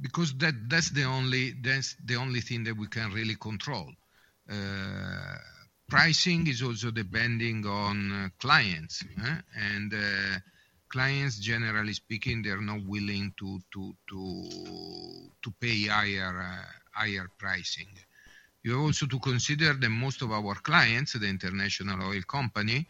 because that's the only thing that we can really control. Pricing is also depending on clients, and clients, generally speaking, they're not willing to pay higher pricing. You also have to consider that most of our clients, the international oil company,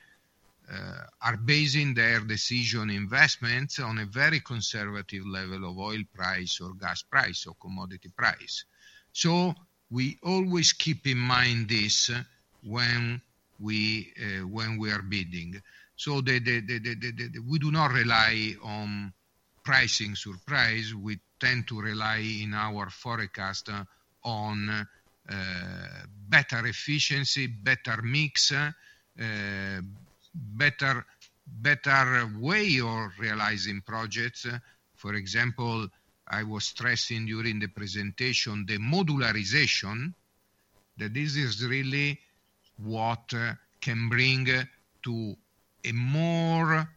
are basing their decision investments on a very conservative level of oil price or gas price or commodity price, so we always keep in mind this when we are bidding, so we do not rely on pricing surprise. We tend to rely in our forecast on better efficiency, better mix, better way of realizing projects. For example, I was stressing during the presentation the modularization, that this is really what can bring to a more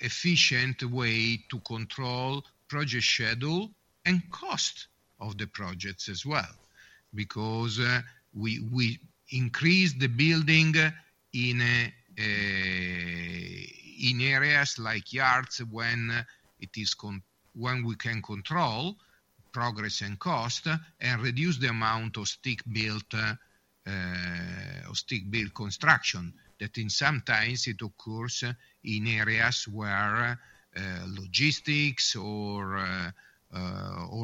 efficient way to control project schedule and cost of the projects as well because we increase the building in areas like yards when we can control progress and cost and reduce the amount of stick-built construction that sometimes occurs in areas where logistics or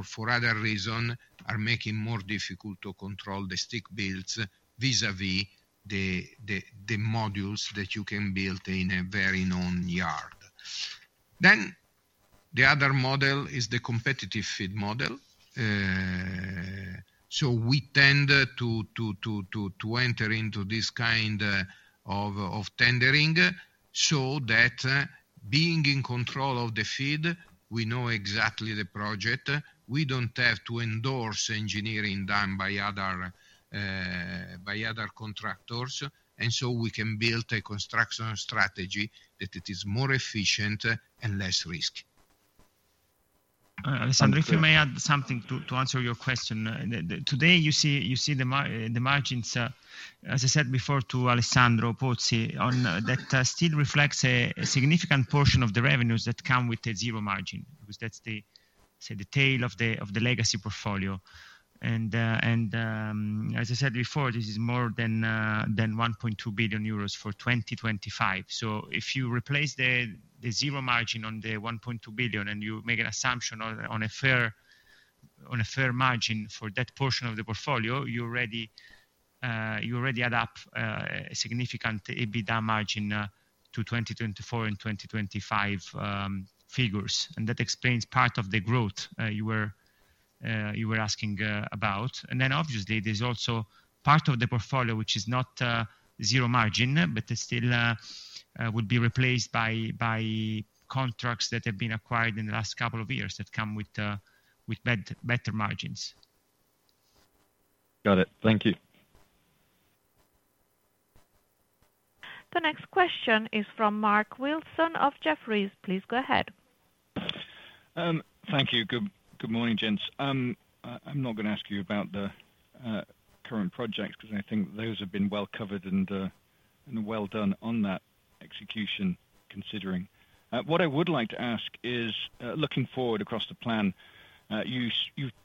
for other reasons are making it more difficult to control the stick-builds vis-à-vis the modules that you can build in a very known yard. Then the other model is the competitive FEED model. So we tend to enter into this kind of tendering so that being in control of the FEED, we know exactly the project. We don't have to endorse engineering done by other contractors. And so we can build a construction strategy that is more efficient and less risky. Alessandro, if you may add something to answer your question. Today, you see the margins, as I said before to Alessandro Pozzi, that still reflects a significant portion of the revenues that come with the zero margin because that's the tail of the legacy portfolio, and as I said before, this is more than 1.2 billion euros for 2025. So if you replace the zero margin on the 1.2 billion and you make an assumption on a fair margin for that portion of the portfolio, you already add up a significant EBITDA margin to 2024 and 2025 figures, and that explains part of the growth you were asking about, and then obviously, there's also part of the portfolio which is not zero margin, but still would be replaced by contracts that have been acquired in the last couple of years that come with better margins. Got it. Thank you. The next question is from Mark Wilson of Jefferies. Please go ahead. Thank you. Good morning, gents. I'm not going to ask you about the current projects because I think those have been well covered and well done on that execution considering. What I would like to ask is, looking forward across the plan, you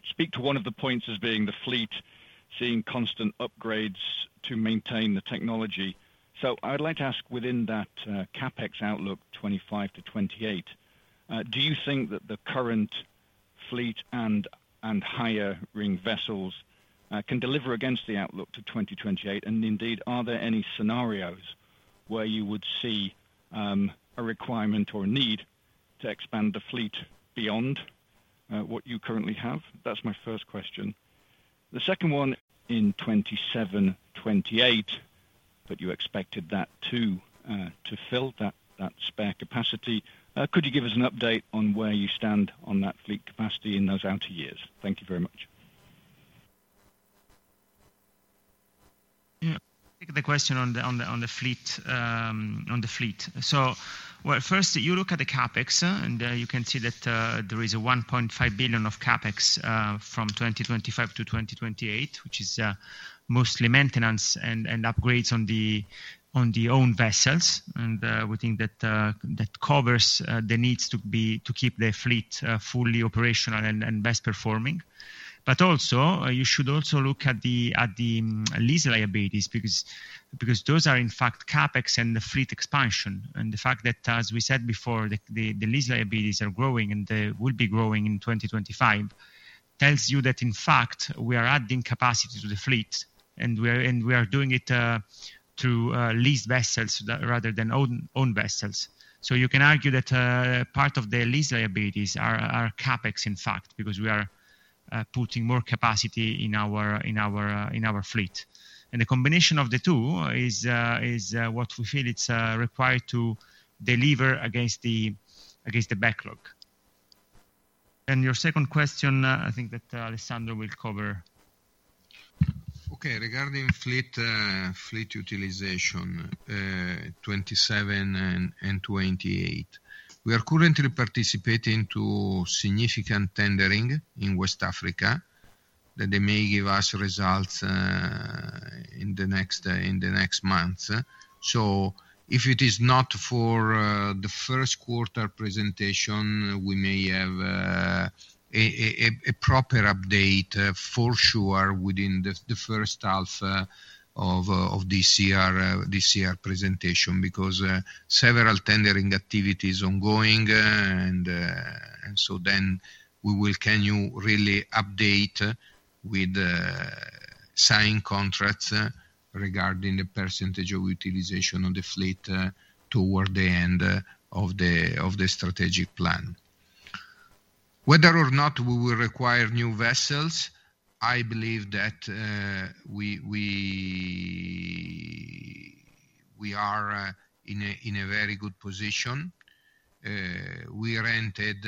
speak to one of the points as being the fleet seeing constant upgrades to maintain the technology. So I'd like to ask within that CapEx outlook 2025-2028, do you think that the current fleet and hire rig vessels can deliver against the outlook to 2028? And indeed, are there any scenarios where you would see a requirement or a need to expand the fleet beyond what you currently have? That's my first question. The second one. In 2027-2028, but you expected that too to fill that spare capacity. Could you give us an update on where you stand on that fleet capacity in those outer years? Thank you very much. Yeah. The question on the fleet. So first, you look at the CapEx, and you can see that there is a 1.5 billion of CapEx from 2025 to 2028, which is mostly maintenance and upgrades on the own vessels. And we think that covers the needs to keep the fleet fully operational and best performing. But you should also look at the lease liabilities because those are in fact CapEx and the fleet expansion. And the fact that, as we said before, the lease liabilities are growing and will be growing in 2025 tells you that in fact we are adding capacity to the fleet, and we are doing it through leased vessels rather than own vessels. So you can argue that part of the lease liabilities are CapEx in fact because we are putting more capacity in our fleet. And the combination of the two is what we feel it's required to deliver against the backlog. And your second question, I think that Alessandro will cover. Okay. Regarding fleet utilization, 27 and 28, we are currently participating in significant tendering in West Africa that may give us results in the next months. So if it is not for the first quarter presentation, we may have a proper update for sure within the first half of this year's presentation because several tendering activities are ongoing. And so then we will can you really update with signed contracts regarding the percentage of utilization of the fleet toward the end of the strategic plan. Whether or not we will require new vessels, I believe that we are in a very good position. We rented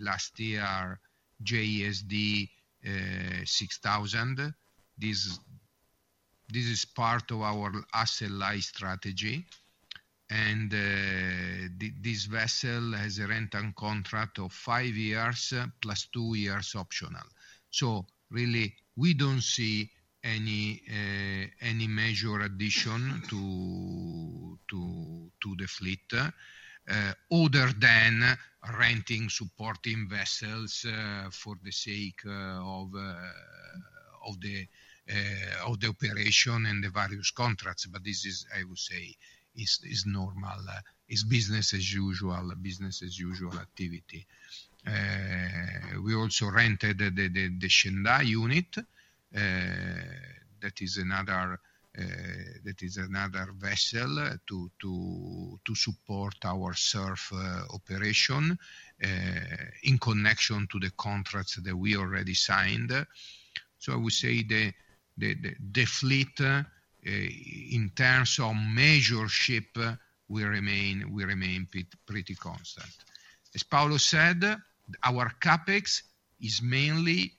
last year JSD 6000. This is part of our asset life strategy. And this vessel has a rent-on contract of five years plus two years optional. So really, we don't see any major addition to the fleet other than renting supporting vessels for the sake of the operation and the various contracts. But this is, I would say, normal. It's business as usual, business as usual activity. We also rented the JSD 6000. That is another vessel to support our surf operation in connection to the contracts that we already signed. So I would say the fleet in terms of major ship, we remain pretty constant. As Paolo said, our CapEx is mainly,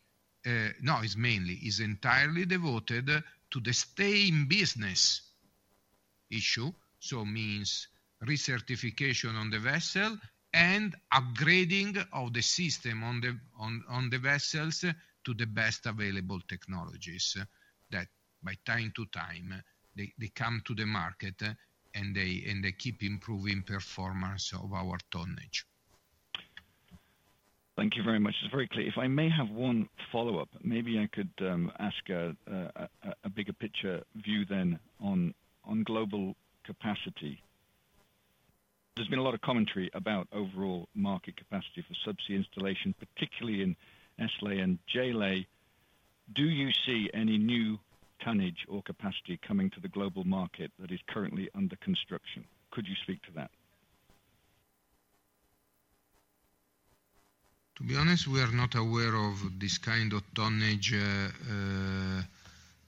is entirely devoted to the stay-in-business issue. So it means recertification on the vessel and upgrading of the system on the vessels to the best available technologies that from time to time, they come to the market and they keep improving performance of our tonnage. Thank you very much. It's very clear. If I may have one follow-up, maybe I could ask a bigger picture view then on global capacity. There's been a lot of commentary about overall market capacity for subsea installation, particularly in S-Lay and J-Lay. Do you see any new tonnage or capacity coming to the global market that is currently under construction? Could you speak to that? To be honest, we are not aware of this kind of tonnage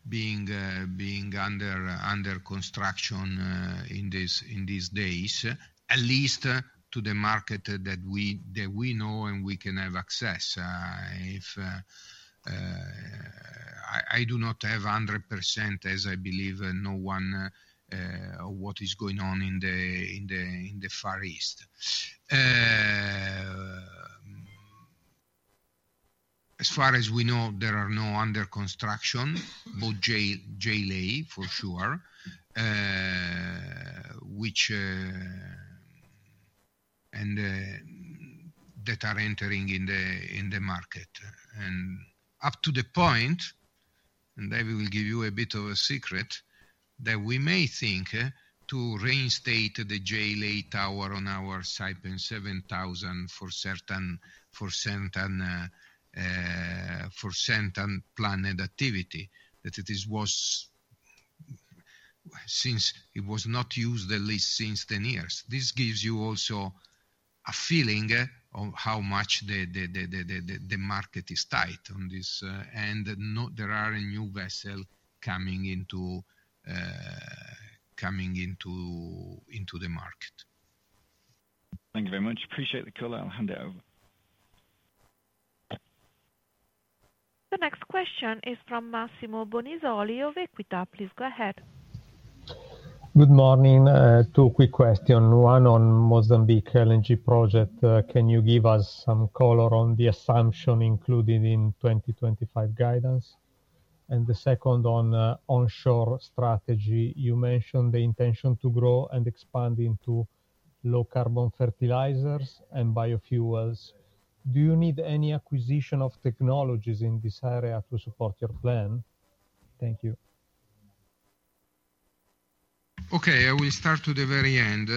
being under construction in these days, at least to the market that we know and we can have access. I do not have 100%, as I believe no one, on what is going on in the Far East. As far as we know, there are no under construction, but J-Lay for sure, which and that are entering in the market. Up to the point, I will give you a bit of a secret that we may think to reinstate the J-Lay tower on our Saipem 7000 for certain planned activity, that it was since it was not used at least since 10 years. This gives you also a feeling of how much the market is tight on this. There are new vessels coming into the market. Thank you very much. Appreciate the call. I'll hand it over. The next question is from Massimo Bonisoli of Equita. Please go ahead. Good morning. Two quick questions. One on Mozambique LNG project. Can you give us some color on the assumption included in 2025 guidance? And the second on onshore strategy. You mentioned the intention to grow and expand into low-carbon fertilizers and biofuels. Do you need any acquisition of technologies in this area to support your plan? Thank you. Okay. I will start to the very end.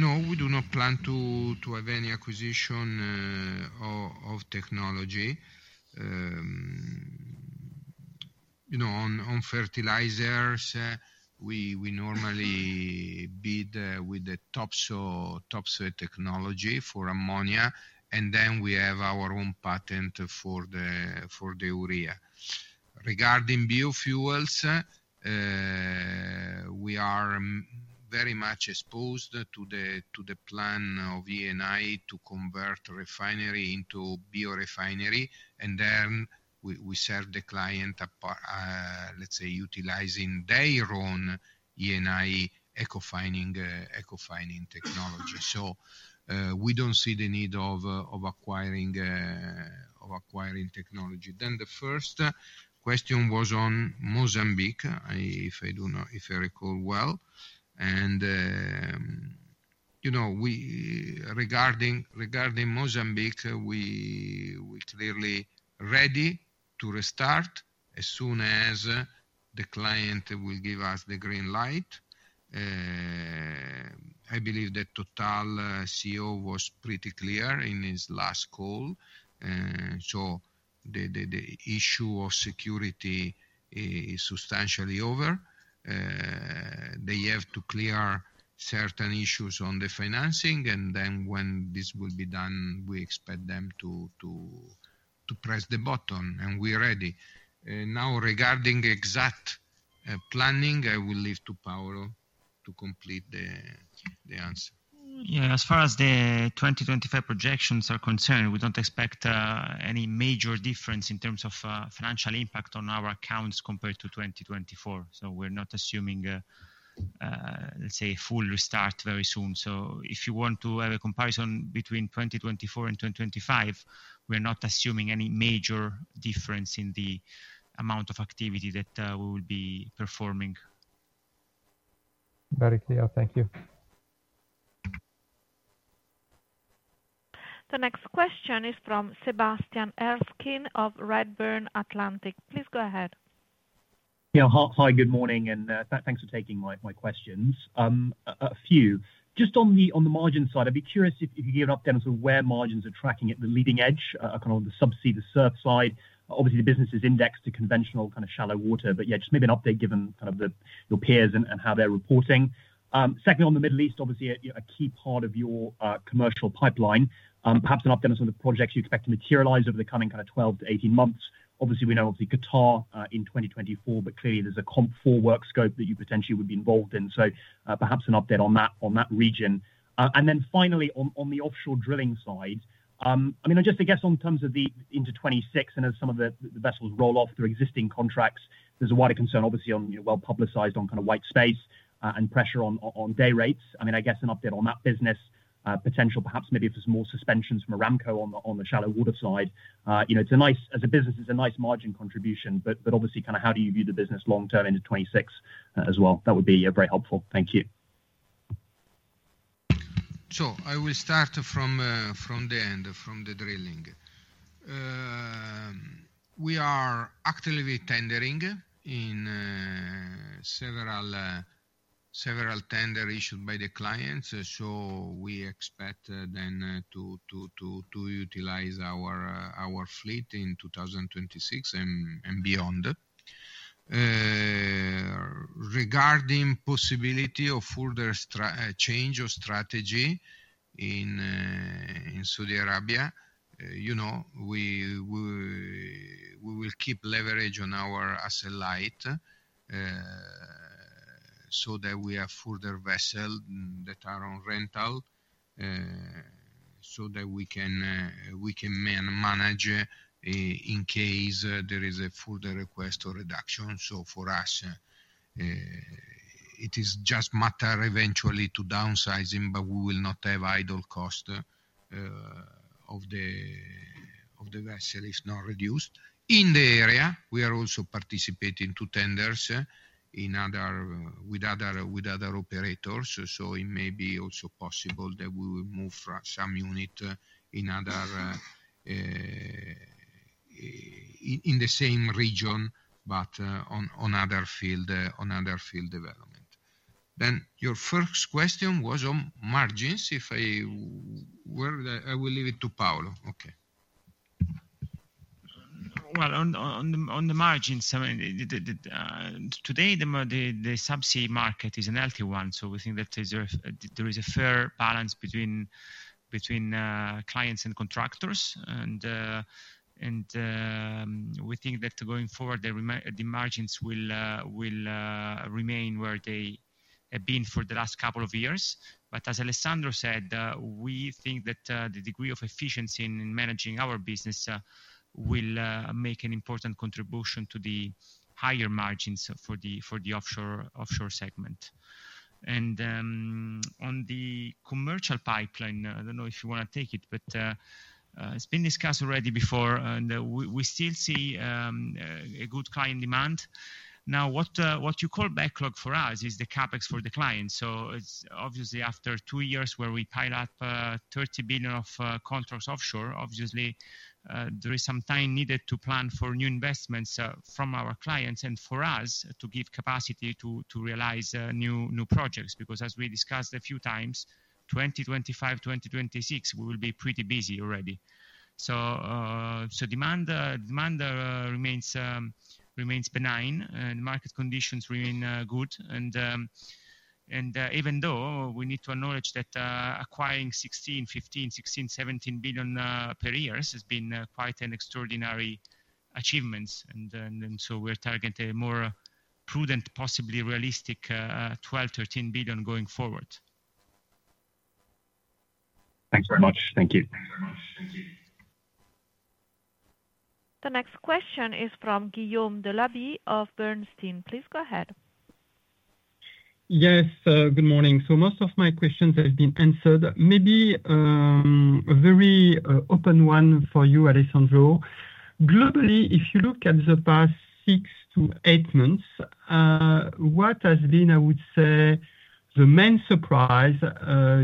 No, we do not plan to have any acquisition of technology. On fertilizers, we normally bid with the Topsoe technology for ammonia. And then we have our own patent for the urea. Regarding biofuels, we are very much exposed to the plan of Eni to convert refinery into biorefinery. And then we serve the client, let's say, utilizing their own Eni Ecofining technology. So we don't see the need of acquiring technology. Then the first question was on Mozambique, if I recall well. Regarding Mozambique, we're clearly ready to restart as soon as the client will give us the green light. I believe that Total's CEO was pretty clear in his last call. So the issue of security is substantially over. They have to clear certain issues on the financing. And then when this will be done, we expect them to press the button and we're ready. Now, regarding exact planning, I will leave to Paolo to complete the answer. Yeah. As far as the 2025 projections are concerned, we don't expect any major difference in terms of financial impact on our accounts compared to 2024. So we're not assuming, let's say, a full restart very soon. So if you want to have a comparison between 2024 and 2025, we're not assuming any major difference in the amount of activity that we will be performing. Very clear. Thank you. The next question is from Sebastian Erskine of Redburn Atlantic. Please go ahead. Yeah. Hi, good morning. And thanks for taking my questions. A few. Just on the margin side, I'd be curious if you could give an update on where margins are tracking at the leading edge, kind of on the subsea, the surf side. Obviously, the business is indexed to conventional kind of shallow water. But yeah, just maybe an update given kind of your peers and how they're reporting. Secondly, on the Middle East, obviously, a key part of your commercial pipeline. Perhaps an update on some of the projects you expect to materialize over the coming kind of 12 to 18 months. Obviously, we know of the Qatar in 2024, but clearly, there's a COMP4 work scope that you potentially would be involved in. So perhaps an update on that region. Then finally, on the offshore drilling side, I mean, just I guess in terms of the into 2026 and as some of the vessels roll off their existing contracts, there's a wider concern, obviously, on well publicized on kind of white space and pressure on day rates. I mean, I guess an update on that business potential, perhaps maybe if there's more suspensions from Aramco on the shallow water side. As a business, it's a nice margin contribution. But obviously, kind of how do you view the business long term into 2026 as well? That would be very helpful. Thank you. Sure. I will start from the end, from the drilling. We are actively tendering in several tenders issued by the clients. So we expect then to utilize our fleet in 2026 and beyond. Regarding possibility of further change of strategy in Saudi Arabia, we will keep leverage on our asset light so that we have further vessels that are on rental so that we can manage in case there is a further request or reduction. So for us, it is just matter eventually to downsizing, but we will not have idle cost of the vessel if not reduced. In the area, we are also participating to tenders with other operators. So it may be also possible that we will move some unit in the same region, but on other field development. Then your first question was on margins. If I will leave it to Paolo. Okay. On the margins, today, the subsea market is a healthy one. We think that there is a fair balance between clients and contractors. We think that going forward, the margins will remain where they have been for the last couple of years. As Alessandro said, we think that the degree of efficiency in managing our business will make an important contribution to the higher margins for the offshore segment. On the commercial pipeline, I don't know if you want to take it, but it's been discussed already before. We still see a good client demand. Now, what you call backlog for us is the CapEx for the client. So obviously, after two years where we pile up 30 billion of contracts offshore, obviously, there is some time needed to plan for new investments from our clients and for us to give capacity to realize new projects. Because as we discussed a few times, 2025, 2026, we will be pretty busy already. So demand remains benign. The market conditions remain good. And even though we need to acknowledge that acquiring 15, 16, 17 billion per year has been quite an extraordinary achievement. And so we're targeting a more prudent, possibly realistic 12-13 billion going forward. Thanks very much. Thank you. The next question is from Guillaume Delaby of Bernstein. Please go ahead. Yes. Good morning. So most of my questions have been answered. Maybe a very open one for you, Alessandro. Globally, if you look at the past six to eight months, what has been, I would say, the main surprise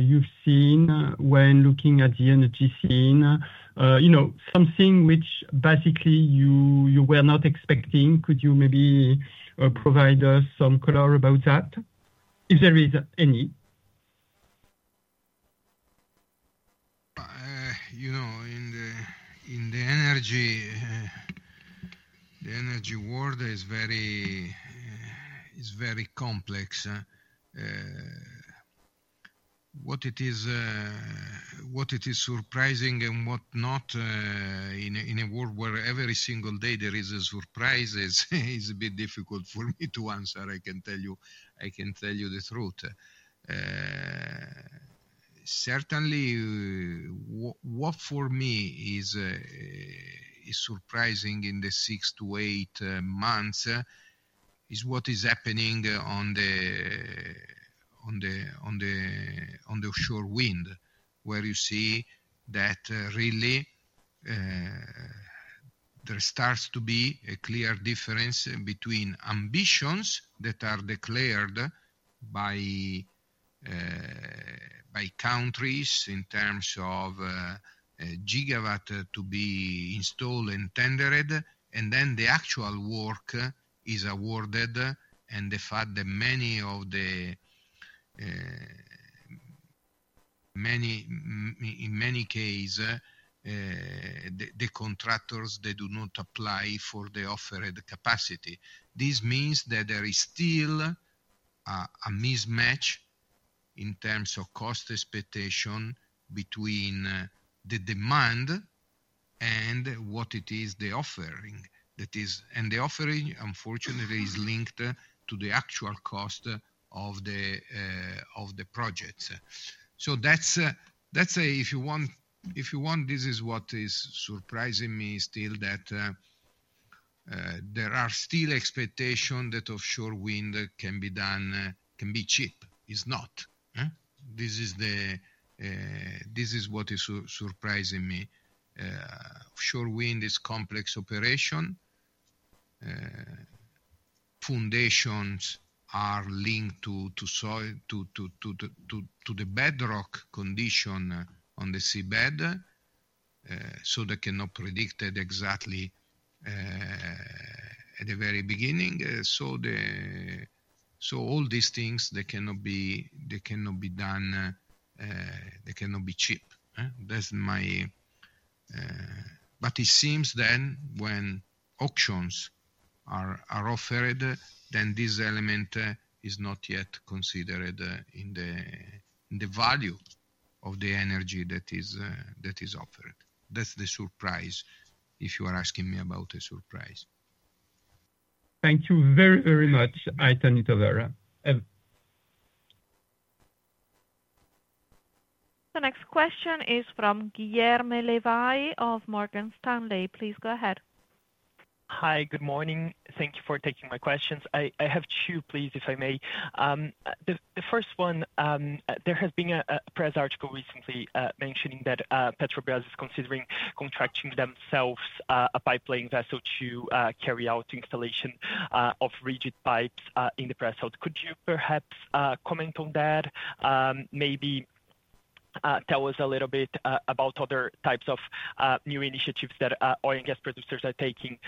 you've seen when looking at the energy scene, something which basically you were not expecting? Could you maybe provide us some color about that, if there is any? In the energy world is very complex. What it is surprising and what not in a world where every single day there is a surprise is a bit difficult for me to answer. I can tell you the truth. Certainly, what for me is surprising in the six to eight months is what is happening on the offshore wind, where you see that really there starts to be a clear difference between ambitions that are declared by countries in terms of gigawatt to be installed and tendered, and then the actual work is awarded, and the fact that many of the, in many cases, the contractors, they do not apply for the offered capacity. This means that there is still a mismatch in terms of cost expectation between the demand and what it is they're offering. And the offering, unfortunately, is linked to the actual cost of the projects. So that's, if you want, this is what is surprising me still, that there are still expectations that offshore wind can be done, can be cheap. It's not. This is what is surprising me. Offshore wind is a complex operation. Foundations are linked to the bedrock condition on the seabed. So they cannot predict it exactly at the very beginning. So all these things, they cannot be done. They cannot be cheap. But it seems then when auctions are offered, then this element is not yet considered in the value of the energy that is offered. That's the surprise, if you are asking me about the surprise. Thank you very, very much, Alessandro Puliti. The next question is from Guilherme Levy of Morgan Stanley. Please go ahead. Hi, good morning. Thank you for taking my questions. I have two, please, if I may. The first one, there has been a press article recently mentioning that Petrobras is considering contracting themselves a pipeline vessel to carry out installation of rigid pipes in the pre-salt. Could you perhaps comment on that? Maybe tell us a little bit about other types of new initiatives that oil and gas producers are taking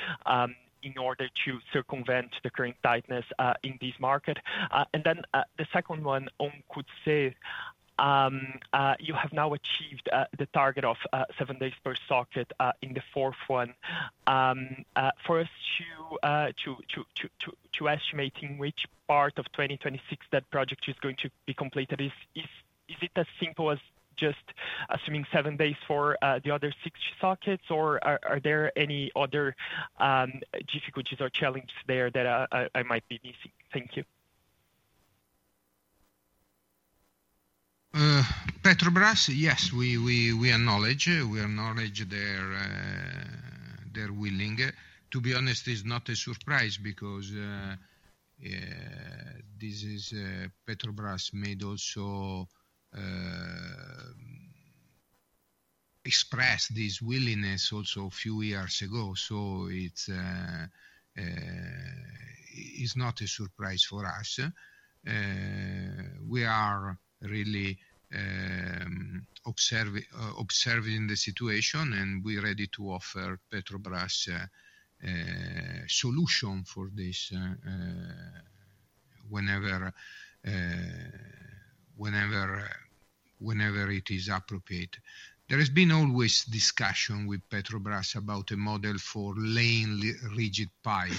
in order to circumvent the current tightness in this market. And then the second one on Courseulles, you have now achieved the target of seven days per socket in the fourth one. For us to estimate in which part of 2026 that project is going to be completed, is it as simple as just assuming seven days for the other six sockets? Or are there any other difficulties or challenges there that I might be missing? Thank you. Petrobras, yes, we acknowledge. We acknowledge their willingness. To be honest, it's not a surprise because Petrobras has also expressed this willingness also a few years ago. So it's not a surprise for us. We are really observing the situation, and we're ready to offer Petrobras solution for this whenever it is appropriate. There has been always discussion with Petrobras about a model for laying rigid pipe.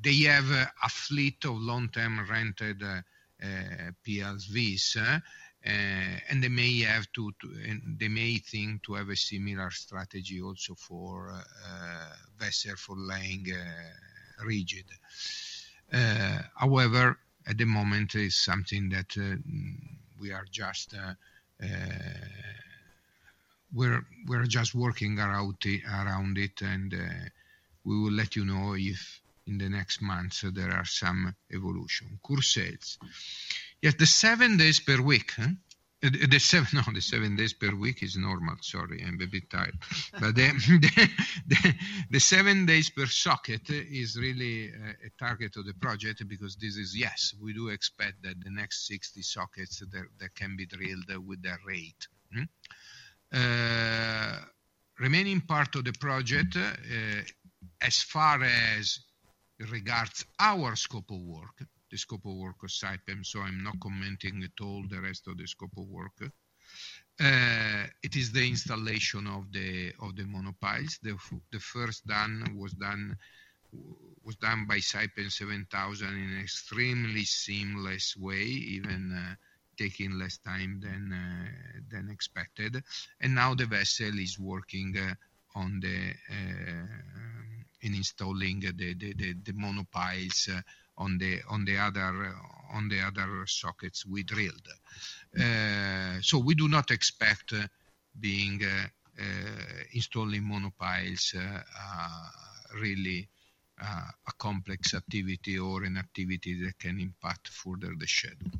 They have a fleet of long-term rented PLSVs, and they may have to, they may think to have a similar strategy also for vessel for laying rigid. However, at the moment, it's something that we are just, we're just working around it. And we will let you know if in the next months there are some evolution. Courseulles-sur-Mer. Yes, the seven days per week, the seven days per week is normal. Sorry, I'm a bit tired. But the seven days per socket is really a target of the project because this is, yes, we do expect that the next 60 sockets that can be drilled with that rate. The remaining part of the project, as far as regards our scope of work, the scope of work of Saipem, so I'm not commenting at all the rest of the scope of work. It is the installation of the monopiles. The first done was done by Saipem 7000 in an extremely seamless way, even taking less time than expected. And now the vessel is working on the installing the monopiles on the other sockets we drilled. So we do not expect being installing monopiles really a complex activity or an activity that can impact further the schedule.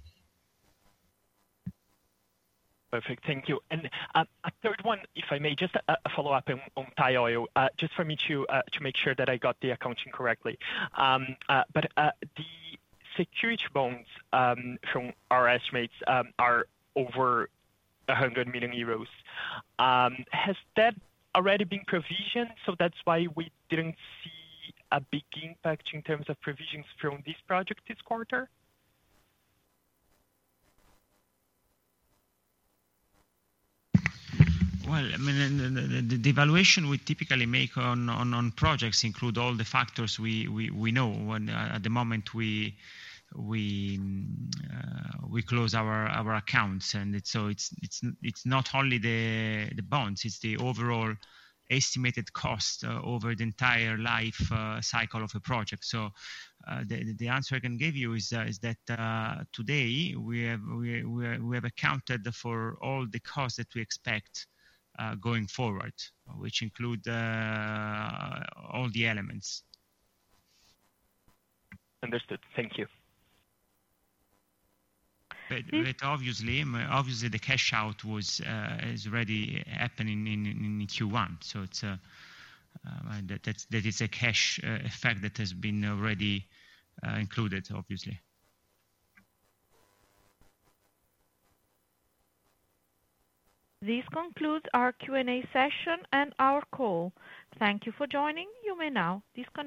Perfect. Thank you. And a third one, if I may, just a follow-up on Thai Oil, just for me to make sure that I got the accounting correctly. But the security bonds from our estimates are over 100 million euros. Has that already been provisioned? So that's why we didn't see a big impact in terms of provisions from this project this quarter. I mean, the evaluation we typically make on projects includes all the factors we know. At the moment, we close our accounts. So it's not only the bonds. It's the overall estimated cost over the entire life cycle of a project. The answer I can give you is that today, we have accounted for all the costs that we expect going forward, which include all the elements. Understood. Thank you. Obviously, the cash out is already happening in Q1. So that is a cash effect that has been already included, obviously. This concludes our Q&A session and our call. Thank you for joining. You may now disconnect.